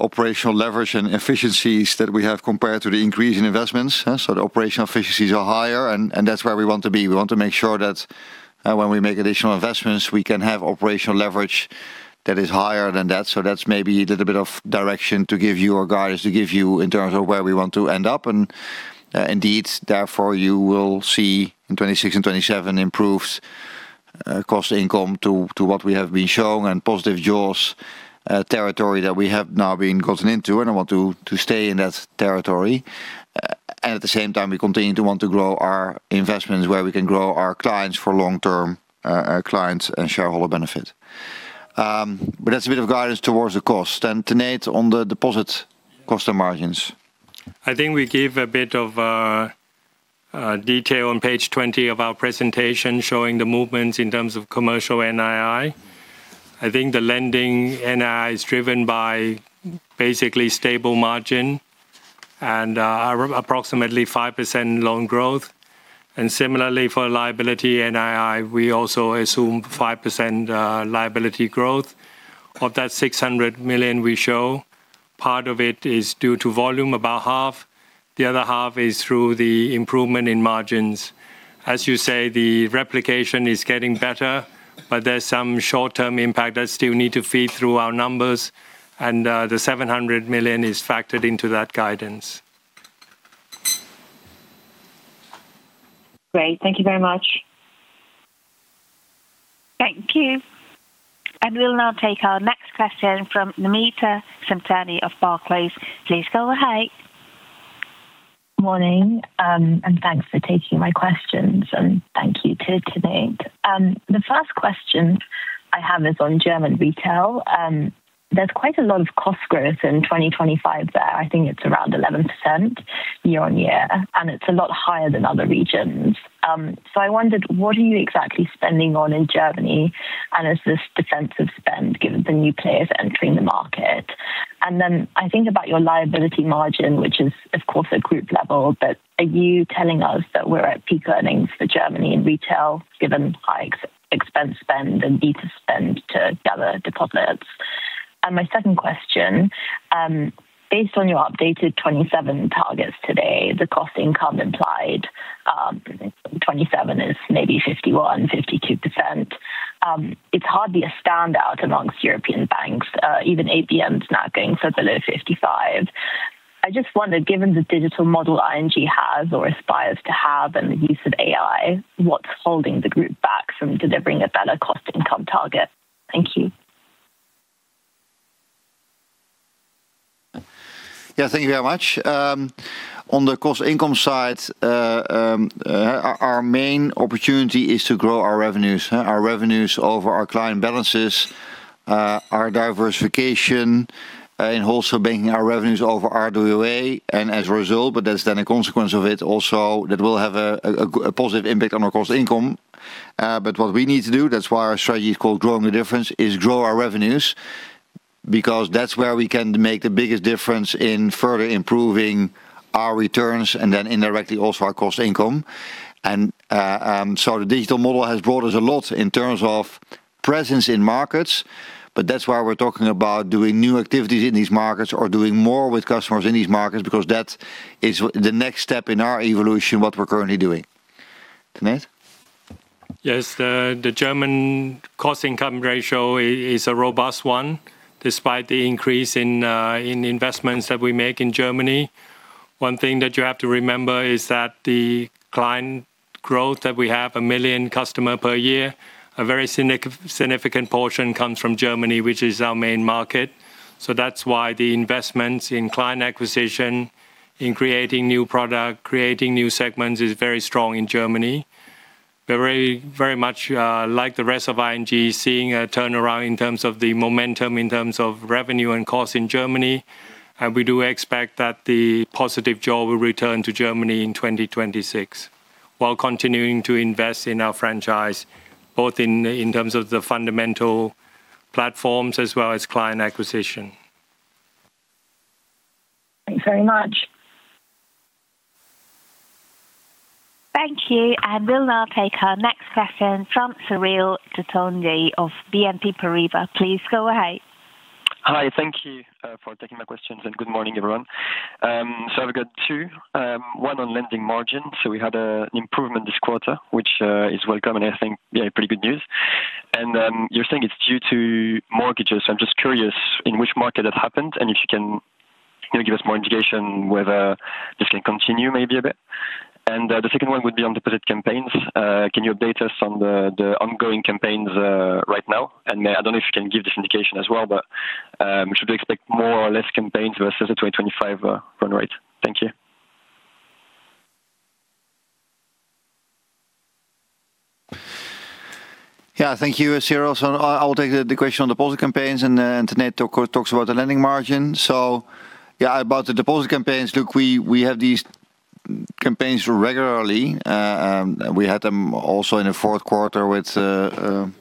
operational leverage and efficiencies that we have compared to the increase in investments. So the operational efficiencies are higher, and that's where we want to be. We want to make sure that when we make additional investments, we can have operational leverage that is higher than that. So that's maybe a little bit of direction to give you or guidance to give you in terms of where we want to end up. And indeed, therefore, you will see in 2026 and 2027 improved cost income to what we have been showing and positive jaws territory that we have now been gotten into. And I want to stay in that territory. And at the same time, we continue to want to grow our investments where we can grow our clients for long-term clients and shareholder benefit. But that's a bit of guidance towards the cost. And Tanate on the deposit cost and margins. I think we gave a bit of detail on page 20 of our presentation showing the movements in terms Commercial NII. i think the lending NII is driven by basically stable margin and approximately 5% loan growth. And similarly, for liability NII, we also assume 5% liability growth. Of that 600 million we show, part of it is due to volume, about half. The other half is through the improvement in margins. As you say, the replication is getting better, but there's some short-term impact that still need to feed through our numbers. And the 700 million is factored into that guidance. Great. Thank you very much. Thank you. And we'll now take our next question from Namita Samtani of Barclays. Please go ahead. Morning, and thanks for taking my questions, and thank you to Tanate. The first question I have is on German retail. There's quite a lot of cost growth in 2025 there. I think it's around 11% year-on-year, and it's a lot higher than other regions. So I wondered, what are you exactly spending on in Germany? Is this defensive spend given the new players entering the market? Then I think about your liability margin, which is, of course, a group level, but are you telling us that we're at peak earnings for Germany in retail given high expense spend and need to spend to gather deposits? My second question, based on your updated 2027 targets today, the cost income implied, 2027 is maybe 51%-52%. It's hardly a standout amongst European banks. Even ABN is now going for below 55%. I just wondered, given the digital model ING has or aspires to have and the use of AI, what's holding the group back from delivering a better cost income target? Thank you. Yeah, thank you very much. On the cost income side, our main opportunity is to grow our revenues. Our revenues over our client balances, our diversification, and also making our revenues over RWA. And as a result, but that's then a consequence of it also that we'll have a positive impact on our cost income. But what we need to do, that's why our strategy is called Growing the Difference, is grow our revenues because that's where we can make the biggest difference in further improving our returns and then indirectly also our cost income. And so the digital model has brought us a lot in terms of presence in markets, but that's why we're talking about doing new activities in these markets or doing more with customers in these markets because that is the next step in our evolution, what we're currently doing. Tanate? Yes, the German cost income ratio is a robust one despite the increase in investments that we make in Germany. One thing that you have to remember is that the client growth that we have, 1 million customers per year, a very significant portion comes from Germany, which is our main market. So that's why the investments in client acquisition, in creating new product, creating new segments is very strong in Germany. We're very much like the rest of ING, seeing a turnaround in terms of the momentum, in terms of revenue and cost in Germany. And we do expect that the positive jaw will return to Germany in 2026 while continuing to invest in our franchise, both in terms of the fundamental platforms as well as client acquisition. Thanks very much. Thank you. And we'll now take our next question from Cyril Toutounji of BNP Paribas. Please go ahead. Hi, thank you for taking my questions. And good morning, everyone. So I've got two. One on lending margin. We had an improvement this quarter, which is welcome, and I think pretty good news. You're saying it's due to mortgages. I'm just curious in which market that happened and if you can give us more indication whether this can continue maybe a bit. The second one would be on deposit campaigns. Can you update us on the ongoing campaigns right now? I don't know if you can give this indication as well, but we should expect more or less campaigns versus the 2025 run rate. Thank you. Yeah, thank you, Cyril. I'll take the question on deposit campaigns. Tanate talks about the lending margin. Yeah, about the deposit campaigns, look, we have these campaigns regularly. We had them also in the fourth quarter with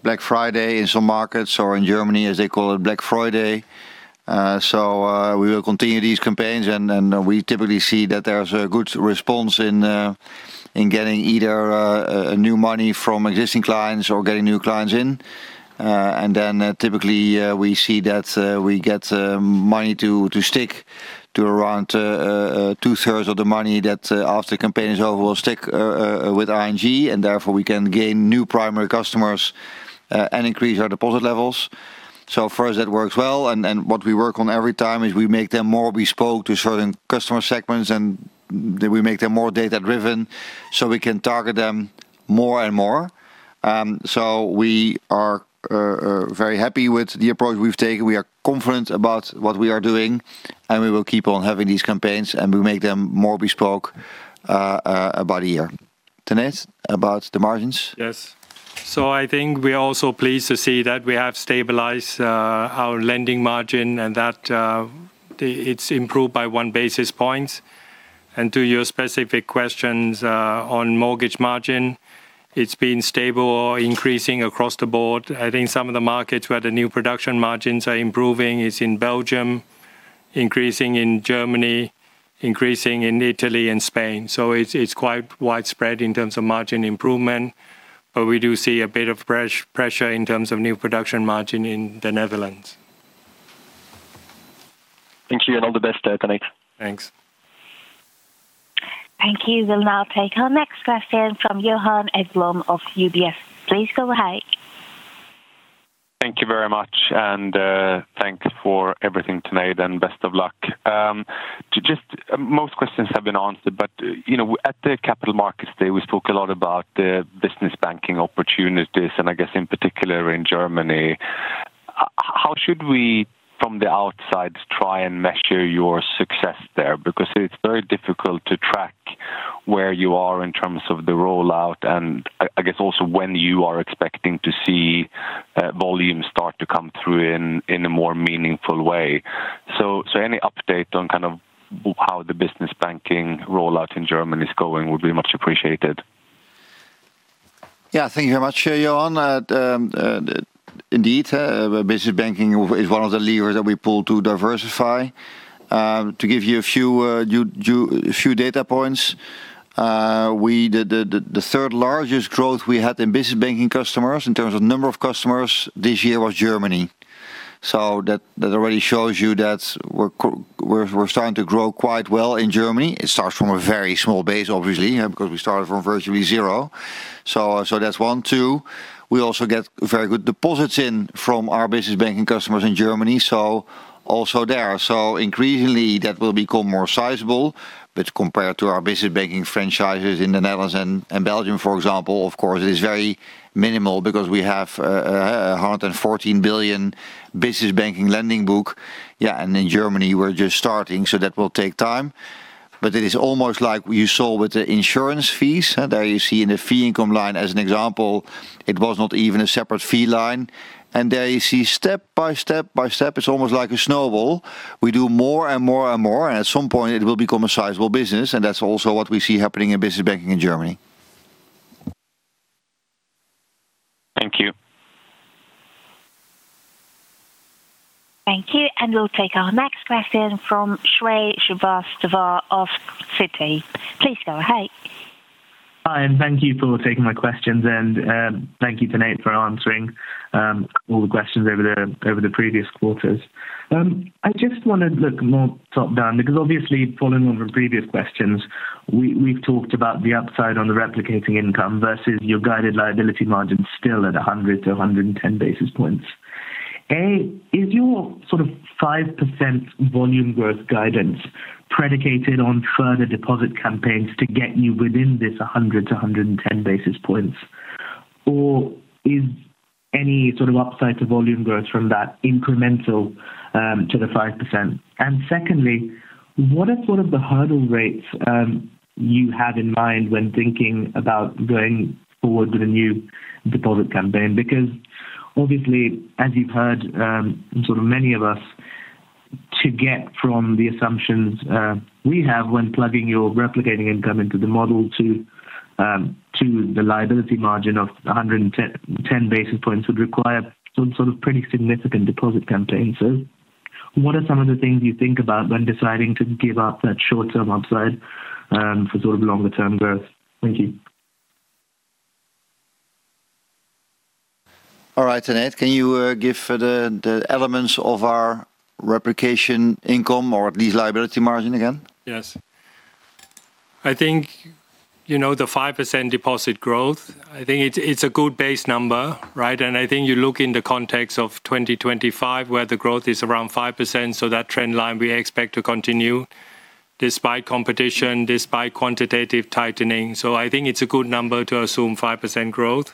Black Friday in some markets or in Germany, as they call it, Black Friday. So we will continue these campaigns. And we typically see that there's a good response in getting either new money from existing clients or getting new clients in. And then typically we see that we get money to stick to around two-thirds of the money that after the campaign is over will stick with ING. And therefore we can gain new primary customers and increase our deposit levels. So for us, that works well. And what we work on every time is we make them more bespoke to certain customer segments and we make them more data-driven so we can target them more and more. So we are very happy with the approach we've taken. We are confident about what we are doing and we will keep on having these campaigns and we make them more bespoke by the year. Tanate, about the margins? Yes.So I think we are also pleased to see that we have stabilized our lending margin and that it's improved by one basis point. And to your specific questions on mortgage margin, it's been stable or increasing across the board. I think some of the markets where the new production margins are improving is in Belgium, increasing in Germany, increasing in Italy and Spain. So it's quite widespread in terms of margin improvement, but we do see a bit of pressure in terms of new production margin in the Netherlands. Thank you and all the best, Tanate. Thanks. Thank you. We'll now take our next question from Johan Ekblom of UBS. Please go ahead. Thank you very much. And thanks for everything, Tanate, and best of luck. Just most questions have been answered, but at the Capital Markets Day, we spoke a lot about the business banking opportunities and I guess in particular in Germany. How should we from the outside try and measure your success there? Because it's very difficult to track where you are in terms of the rollout and I guess also when you are expecting to see volume start to come through in a more meaningful way. So any update on kind of how the business banking rollout in Germany is going would be much appreciated. Yeah, thank you very much, Johan. Indeed, business banking is one of the levers that we pull to diversify. To give you a few data points, the third largest growth we had in business banking customers in terms of number of customers this year was Germany. So that already shows you that we're starting to grow quite well in Germany. It starts from a very small base, obviously, because we started from virtually zero. So that's one. Two, we also get very good deposits in from our business banking customers in Germany. So also there. So increasingly that will become more sizable, but compared to our business banking franchises in the Netherlands and Belgium, for example, of course, it is very minimal because we have 114 billion business banking lending book. Yeah, and in Germany, we're just starting, so that will take time. But it is almost like you saw with the insurance fees. There you see in the fee income line as an example, it was not even a separate fee line. And there you see step by step by step, it's almost like a snowball. We do more and more and more, and at some point it will become a sizable business. And that's also what we see happening in business banking in Germany. Thank you. Thank you. And we'll take our next question from Shrey Srivastava of Citi. Please go ahead. Hi, and thank you for taking my questions. And thank you, Tanate, for answering all the questions over the previous quarters. I just want to look more top down because obviously, following on from previous questions, we've talked about the upside on the replicating income versus your guided liability margin still at 100-110 basis points. Is your sort of 5% volume growth guidance predicated on further deposit campaigns to get you within this 100-110 basis points? Or is any sort of upside to volume growth from that incremental to the 5%? And secondly, what are sort of the hurdle rates you have in mind when thinking about going forward with a new deposit campaign? Because obviously, as you've heard, sort of many of us, to get from the assumptions we have when plugging your replicating income into the model to the liability margin of 110 basis points would require some sort of pretty significant deposit campaigns. So what are some of the things you think about when deciding to give up that short-term upside for sort of longer-term growth? Thank you. All right, Tanate, can you give the elements of our replication income or at least liability margin again? Yes. I think the 5% deposit growth, I think it's a good base number, right? And I think you look in the context of 2025 where the growth is around 5%. So that trend line we expect to continue despite competition, despite quantitative tightening. So I think it's a good number to assume 5% growth.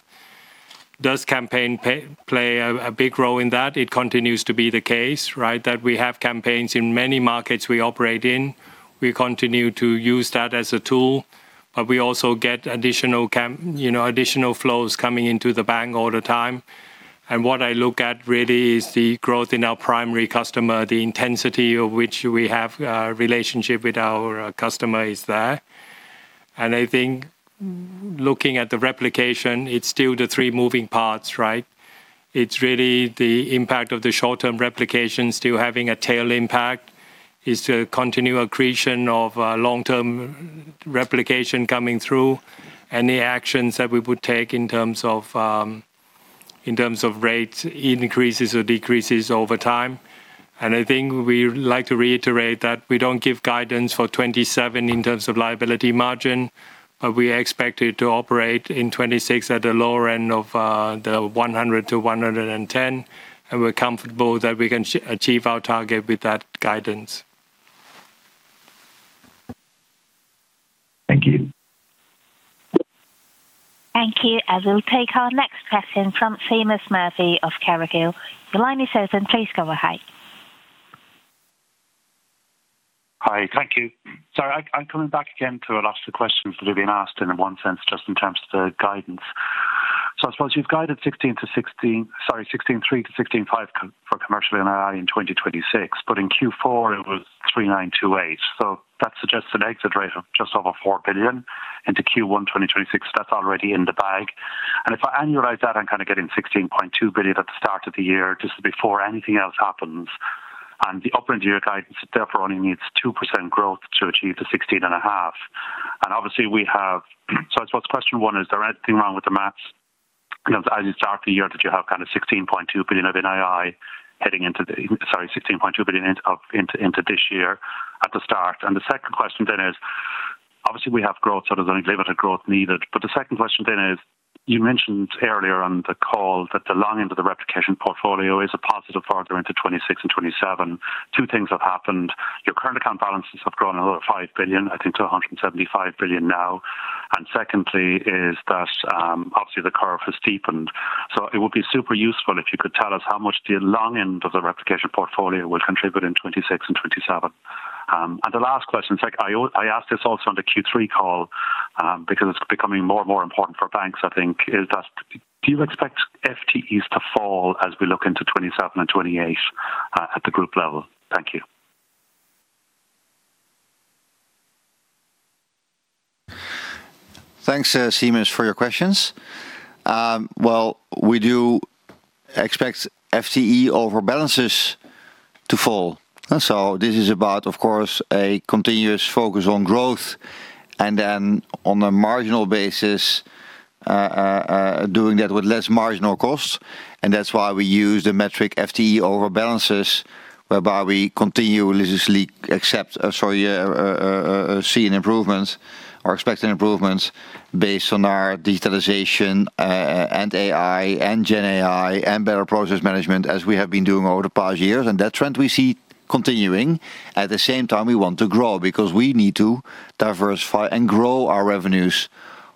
Does campaign play a big role in that? It continues to be the case, right? That we have campaigns in many markets we operate in. We continue to use that as a tool, but we also get additional flows coming into the bank all the time. And what I look at really is the growth in our primary customer, the intensity of which we have a relationship with our customer is there. And I think looking at the replication, it's still the three moving parts, right? It's really the impact of the short-term replication still having a tail impact, is the continual accretion of long-term replication coming through, and the actions that we would take in terms of rate increases or decreases over time. I think we like to reiterate that we don't give guidance for 2027 in terms of liability margin, but we expect it to operate in 2026 at the lower end of the 100-110. And we're comfortable that we can achieve our target with that guidance. Thank you. Thank you. And we'll take our next question from Seamus Murphy of Carraighill. The line is open. Please go ahead. Hi, thank you. Sorry, I'm coming back again to a last question that had been asked in one sense just in terms of the guidance. So I suppose you've guided 16.3 billion-16.5 billion Commercial NII in 2026, but in Q4 it was 3,928. So that suggests an exit rate of just over 4 billion into Q1 2026. That's already in the bag. If I annualize that, I'm kind of getting 16.2 billion at the start of the year just before anything else happens. The upper end of your guidance, it therefore only needs 2% growth to achieve the 16.5 billion. Obviously we have, so I suppose question one is, is there anything wrong with the math? As you start the year, did you have kind of 16.2 billion of NII heading into, sorry, 16.2 billion into this year at the start? The second question then is, obviously we have growth, so there's no limited growth needed. But the second question then is, you mentioned earlier on the call that the long end of the replication portfolio is a positive further into 2026 and 2027. Two things have happened. Your current account balances have grown another 5 billion, I think to 175 billion now. Secondly, obviously the curve has steepened. So it would be super useful if you could tell us how much the long end of the replication portfolio will contribute in 2026 and 2027. And the last question, I asked this also on the Q3 call because it's becoming more and more important for banks, I think, is that do you expect FTEs to fall as we look into 2027 and 2028 at the group level? Thank you. Thanks, Seamus, for your questions. Well, we do expect FTE overbalances to fall. So this is about, of course, a continuous focus on growth and then on a marginal basis, doing that with less marginal cost. That's why we use the metric FTE over balances, whereby we continuously accept, sorry, see an improvement or expect an improvement based on our digitalization and AI and GenAI and better process management as we have been doing over the past years. And that trend we see continuing. At the same time, we want to grow because we need to diversify and grow our revenues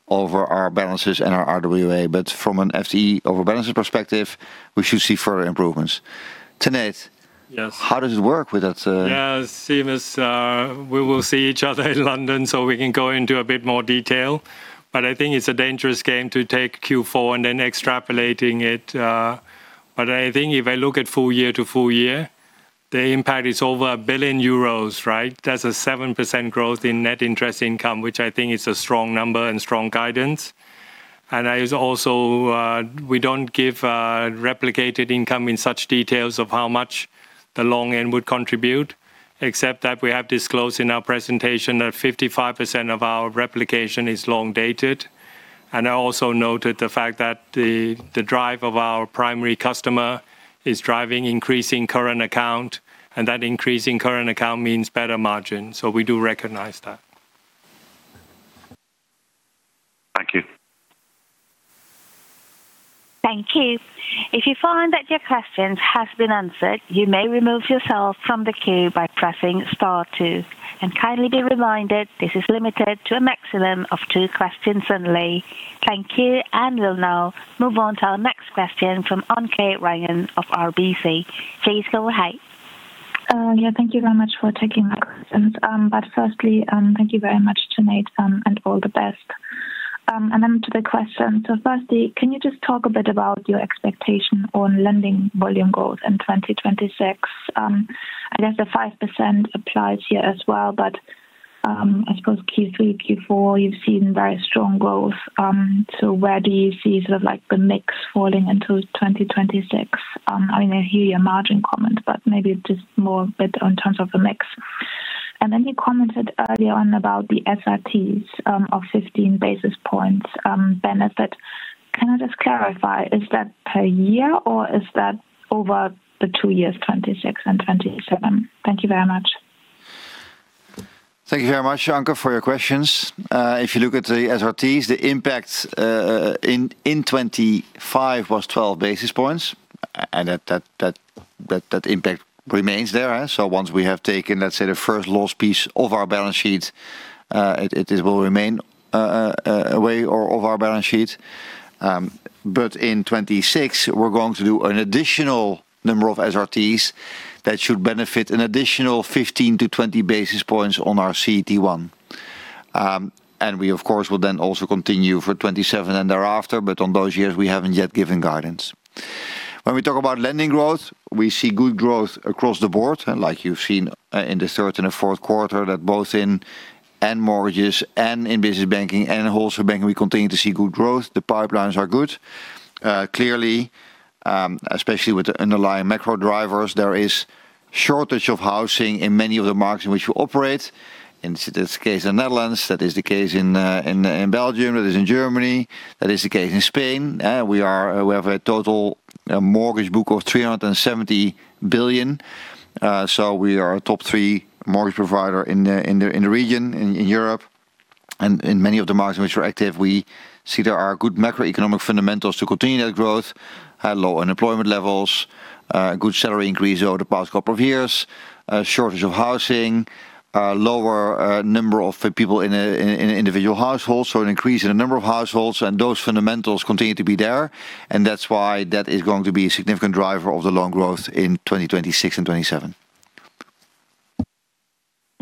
over our balances and our RWA. But from an FTE over balance perspective, we should see further improvements. Tanate, how does it work with that? Yeah, Seamus, we will see each other in London so we can go into a bit more detail. But I think it's a dangerous game to take Q4 and then extrapolating it. But I think if I look at full year to full year, the impact is over 1 billion euros, right? That's a 7% growth in net interest income, which I think is a strong number and strong guidance. And I also don't give replicated income in such details of how much the long end would contribute, except that we have disclosed in our presentation that 55% of our replication is long dated. And I also noted the fact that the drive of our primary customer is driving increasing current account, and that increasing current account means better margin. So we do recognize that. Thank you. Thank you. If you find that your questions have been answered, you may remove yourself from the queue by pressing star two. And kindly be reminded, this is limited to a maximum of two questions only. Thank you. And we'll now move on to our next question from Anke Reingen of RBC. Please go ahead. Yeah, thank you very much for taking my questions. But firstly, thank you very much, Tanate, and all the best. And then to the question, so firstly, can you just talk a bit about your expectation on lending volume growth in 2026? I guess the 5% applies here as well, but I suppose Q3, Q4, you've seen very strong growth. So where do you see sort of like the mix falling into 2026? I mean, I hear your margin comment, but maybe just more a bit in terms of the mix. And then you commented earlier on about the SRTs of 15 basis points benefit. Can I just clarify, is that per year or is that over the two years, 2026 and 2027? Thank you very much. Thank you very much, Anke, for your questions. If you look at the SRTs, the impact in 2025 was 12 basis points, and that impact remains there. So once we have taken, let's say, the first loss piece of our balance sheet, it will remain away from our balance sheet. But in 2026, we're going to do an additional number of SRTs that should benefit an additional 15-20 basis points on our CET1. And we, of course, will then also continue for 2027 and thereafter, but on those years, we haven't yet given guidance. When we talk about lending growth, we see good growth across the board, like you've seen in the third and the fourth quarter, that both in mortgages and in business banking and wholesale banking, we continue to see good growth. The pipelines are good. Clearly, especially with the underlying macro drivers, there is shortage of housing in many of the markets in which we operate. In this case, the Netherlands, that is the case in Belgium, that is in Germany, that is the case in Spain. We have a total mortgage book of 370 billion. So we are a top three mortgage provider in the region, in Europe. And in many of the markets in which we're active, we see there are good macroeconomic fundamentals to continue that growth, high, low unemployment levels, good salary increase over the past couple of years, shortage of housing, lower number of people in individual households, so an increase in the number of households, and those fundamentals continue to be there. And that's why that is going to be a significant driver of the loan growth in 2026 and 2027.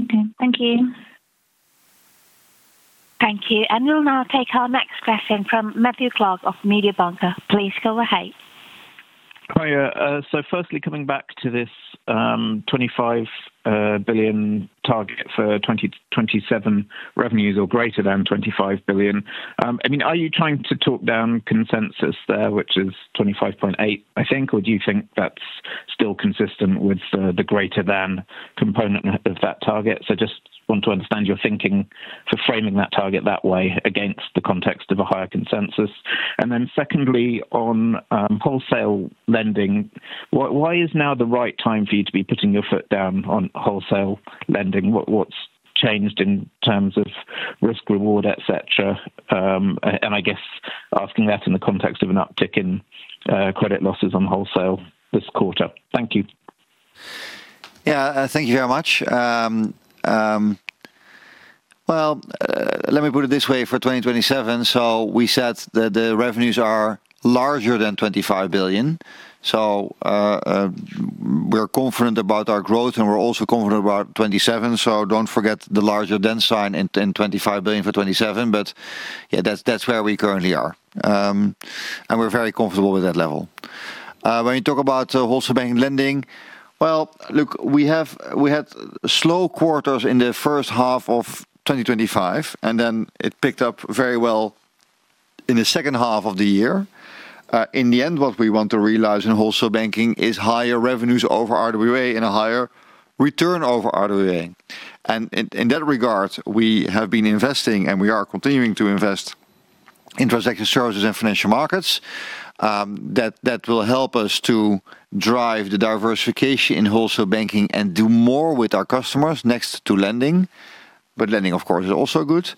Okay, thank you. Thank you. And we'll now take our next question from Matthew Clark of Mediobanca. Please go ahead. So firstly, coming back to this 25 billion target for 2027 revenues or greater than 25 billion, I mean, are you trying to talk down consensus there, which is 25.8 billion, I think, or do you think that's still consistent with the greater than component of that target? So just want to understand your thinking for framing that target that way against the context of a higher consensus. And then secondly, on wholesale lending, why is now the right time for you to be putting your foot down on wholesale lending? What's changed in terms of risk, reward, etc.? And I guess asking that in the context of an uptick in credit losses on wholesale this quarter. Thank you. Yeah, thank you very much. Well, let me put it this way for 2027. So we said that the revenues are larger than 25 billion. So we're confident about our growth and we're also confident about 27. So don't forget the larger than sign in 25 billion for 2027. But yeah, that's where we currently are. And we're very comfortable with that level. When you talk about wholesale banking lending, well, look, we had slow quarters in the first half of 2025, and then it picked up very well in the second half of the year. In the end, what we want to realize in wholesale banking is higher revenues over RWA and a higher return over RWA. And in that regard, we have been investing and we are continuing to invest in transaction services and financial markets that will help us to drive the diversification in wholesale banking and do more with our customers next to lending. But lending, of course, is also good.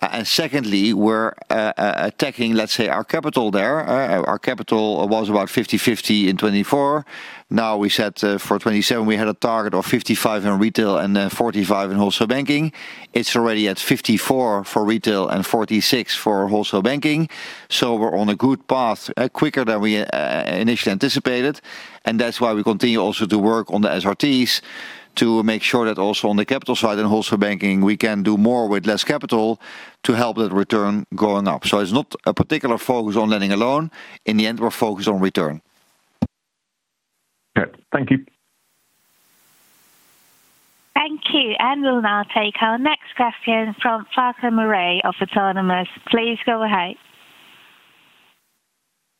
And secondly, we're attacking, let's say, our capital there. Our capital was about 50/50 in 2024. Now we said for 2027, we had a target of 55% in retail and then 45% in wholesale banking. It's already at 54% for retail and 46% for wholesale banking. So we're on a good path, quicker than we initially anticipated. And that's why we continue also to work on the SRTs to make sure that also on the capital side in wholesale banking, we can do more with less capital to help that return going up. So it's not a particular focus on lending alone. In the end, we're focused on return. Thank you. Thank you. And we'll now take our next question from Farquhar Murray of Autonomous. Please go ahead.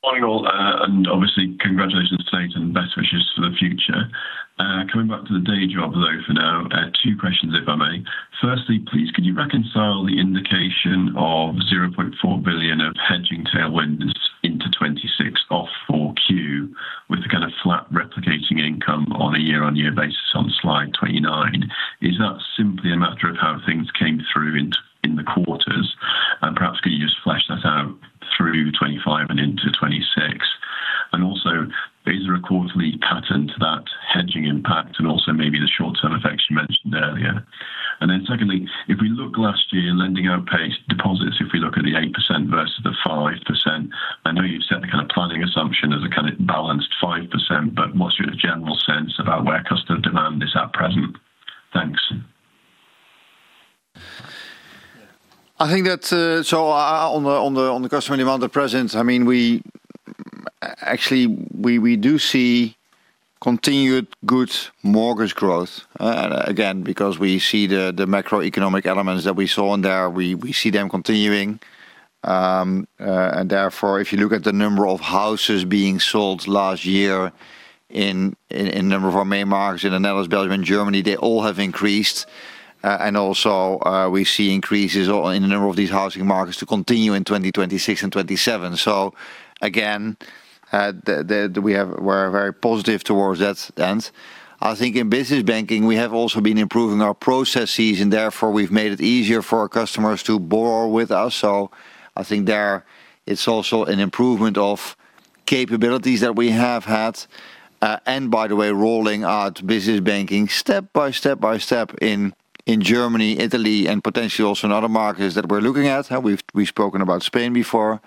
Morning all, and obviously, congratulations, Tanate, and best wishes for the future. Coming back to the day job, though, for now, two questions, if I may. Firstly, please, could you reconcile the indication of 0.4 billion of hedging tailwinds into 2026 outlook for Q with the kind of flat replicating income on a year-on-year basis on slide 29? Is that simply a matter of how things came through in the quarters? And perhaps could you just flesh that out through 2025 and into 2026? And also, is there a quarterly pattern to that hedging impact and also maybe the short-term effects you mentioned earlier? And then secondly, if we look last year, lending outpaced deposits, if we look at the 8% versus the 5%, I know you've set the kind of planning assumption as a kind of balanced 5%, but what's your general sense about where customer demand is at present? Thanks. I think that, so on the customer demand at present, I mean, we actually do see continued good mortgage growth. Again, because we see the macroeconomic elements that we saw in there, we see them continuing. Therefore, if you look at the number of houses being sold last year in a number of our main markets in the Netherlands, Belgium, and Germany, they all have increased. Also, we see increases in the number of these housing markets to continue in 2026 and 2027. So again, we're very positive towards that end. I think in business banking, we have also been improving our processes, and therefore we've made it easier for our customers to borrow with us. So I think there it's also an improvement of capabilities that we have had. By the way, rolling out business banking step by step by step in Germany, Italy, and potentially also in other markets that we're looking at. We've spoken about Spain before.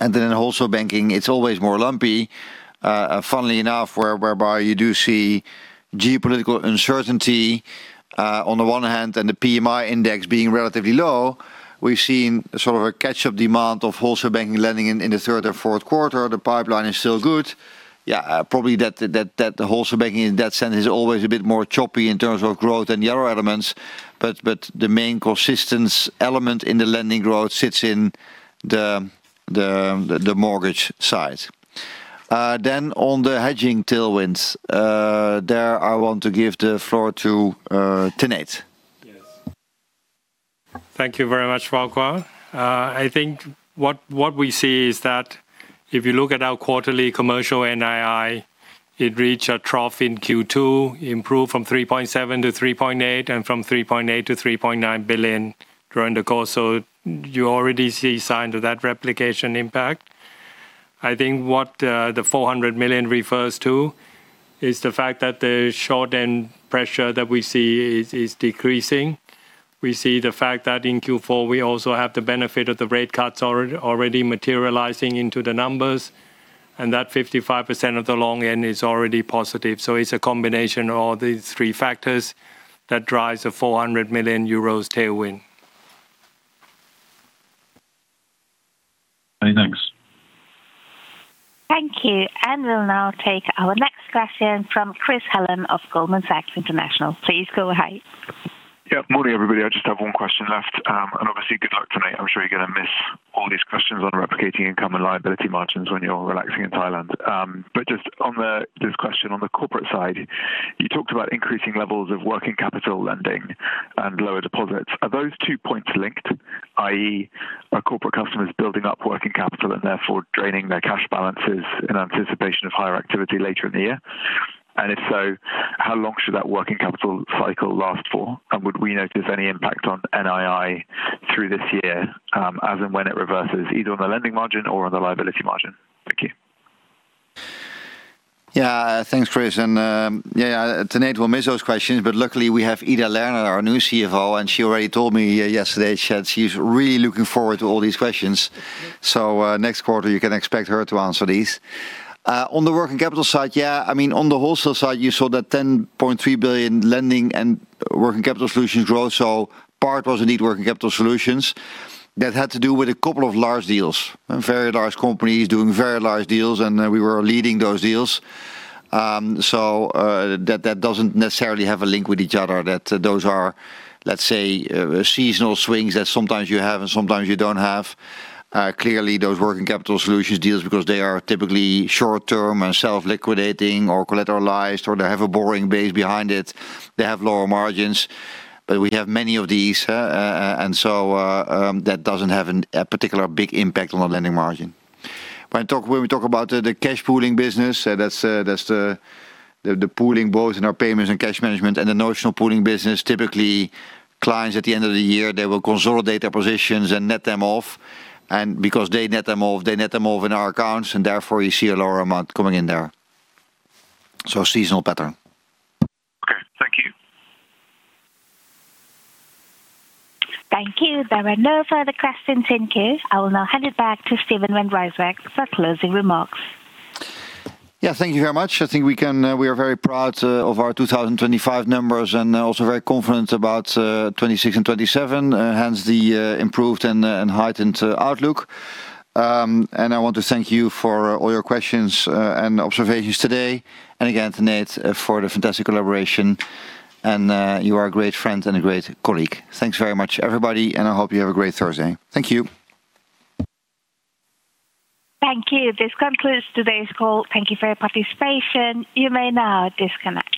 And then in wholesale banking, it's always more lumpy. Funnily enough, whereby you do see geopolitical uncertainty on the one hand and the PMI index being relatively low, we've seen sort of a catch-up demand of wholesale banking lending in the third or fourth quarter. The pipeline is still good. Yeah, probably that the wholesale banking in that sense is always a bit more choppy in terms of growth and the other elements. But the main consistent element in the lending growth sits in the mortgage side. Then on the hedging tailwinds, there I want to give the floor to Tanate. Yes. Thank you very much, Francois. I think what we see is that if you look at our Commercial NII, it reached a trough in Q2, improved from 3.7 billion to 3.8 billion and from 3.8 billion to 3.9 billion during the course. So you already see signs of that replication impact. I think what the 400 million refers to is the fact that the short-end pressure that we see is decreasing. We see the fact that in Q4, we also have the benefit of the rate cuts already materializing into the numbers, and that 55% of the long end is already positive. So it's a combination of all these three factors that drives a 400 million euros tailwind. Thanks. Thank you. And we'll now take our next question from Chris Hallam of Goldman Sachs. Please go ahead. Yeah, morning everybody. I just have one question left. And obviously, good luck tonight. I'm sure you're going to miss all these questions on replicating income and liability margins when you're relaxing in Thailand. But just on this question on the corporate side, you talked about increasing levels of working capital lending and lower deposits. Are those two points linked, i.e., are corporate customers building up working capital and therefore draining their cash balances in anticipation of higher activity later in the year? And if so, how long should that working capital cycle last for? And would we notice any impact on NII through this year as and when it reverses, either on the lending margin or on the liability margin? Thank you. Yeah, thanks, Chris. And yeah, Tanate will miss those questions, but luckily we have Ida Lerner, our new CFO, and she already told me yesterday, she said she's really looking forward to all these questions. So next quarter, you can expect her to answer these. On the working capital side, yeah, I mean, on the wholesale side, you saw that 10.3 billion lending and working capital solutions growth. So part was indeed working capital solutions that had to do with a couple of large deals, very large companies doing very large deals, and we were leading those deals. So that doesn't necessarily have a link with each other, that those are, let's say, seasonal swings that sometimes you have and sometimes you don't have. Clearly, those working capital solutions deals, because they are typically short-term and self-liquidating or collateralized, or they have a borrowing base behind it, they have lower margins. But we have many of these, and so that doesn't have a particular big impact on the lending margin. When we talk about the cash pooling business, that's the pooling both in our payments and cash management and the notional pooling business. Typically clients at the end of the year, they will consolidate their positions and net them off. And because they net them off, they net them off in our accounts, and therefore you see a lower amount coming in there. So seasonal pattern. Okay, thank you. Thank you. There are no further questions in case. I will now hand it back to Steven van Rijswijk for closing remarks. Yeah, thank you very much. I think we are very proud of our 2025 numbers and also very confident about 2026 and 2027, hence the improved and heightened outlook. And I want to thank you for all your questions and observations today. And again, Tanate, for the fantastic collaboration. And you are a great friend and a great colleague. Thanks very much, everybody, and I hope you have a great Thursday. Thank you. Thank you. This concludes today's call. Thank you for your participation. You may now disconnect.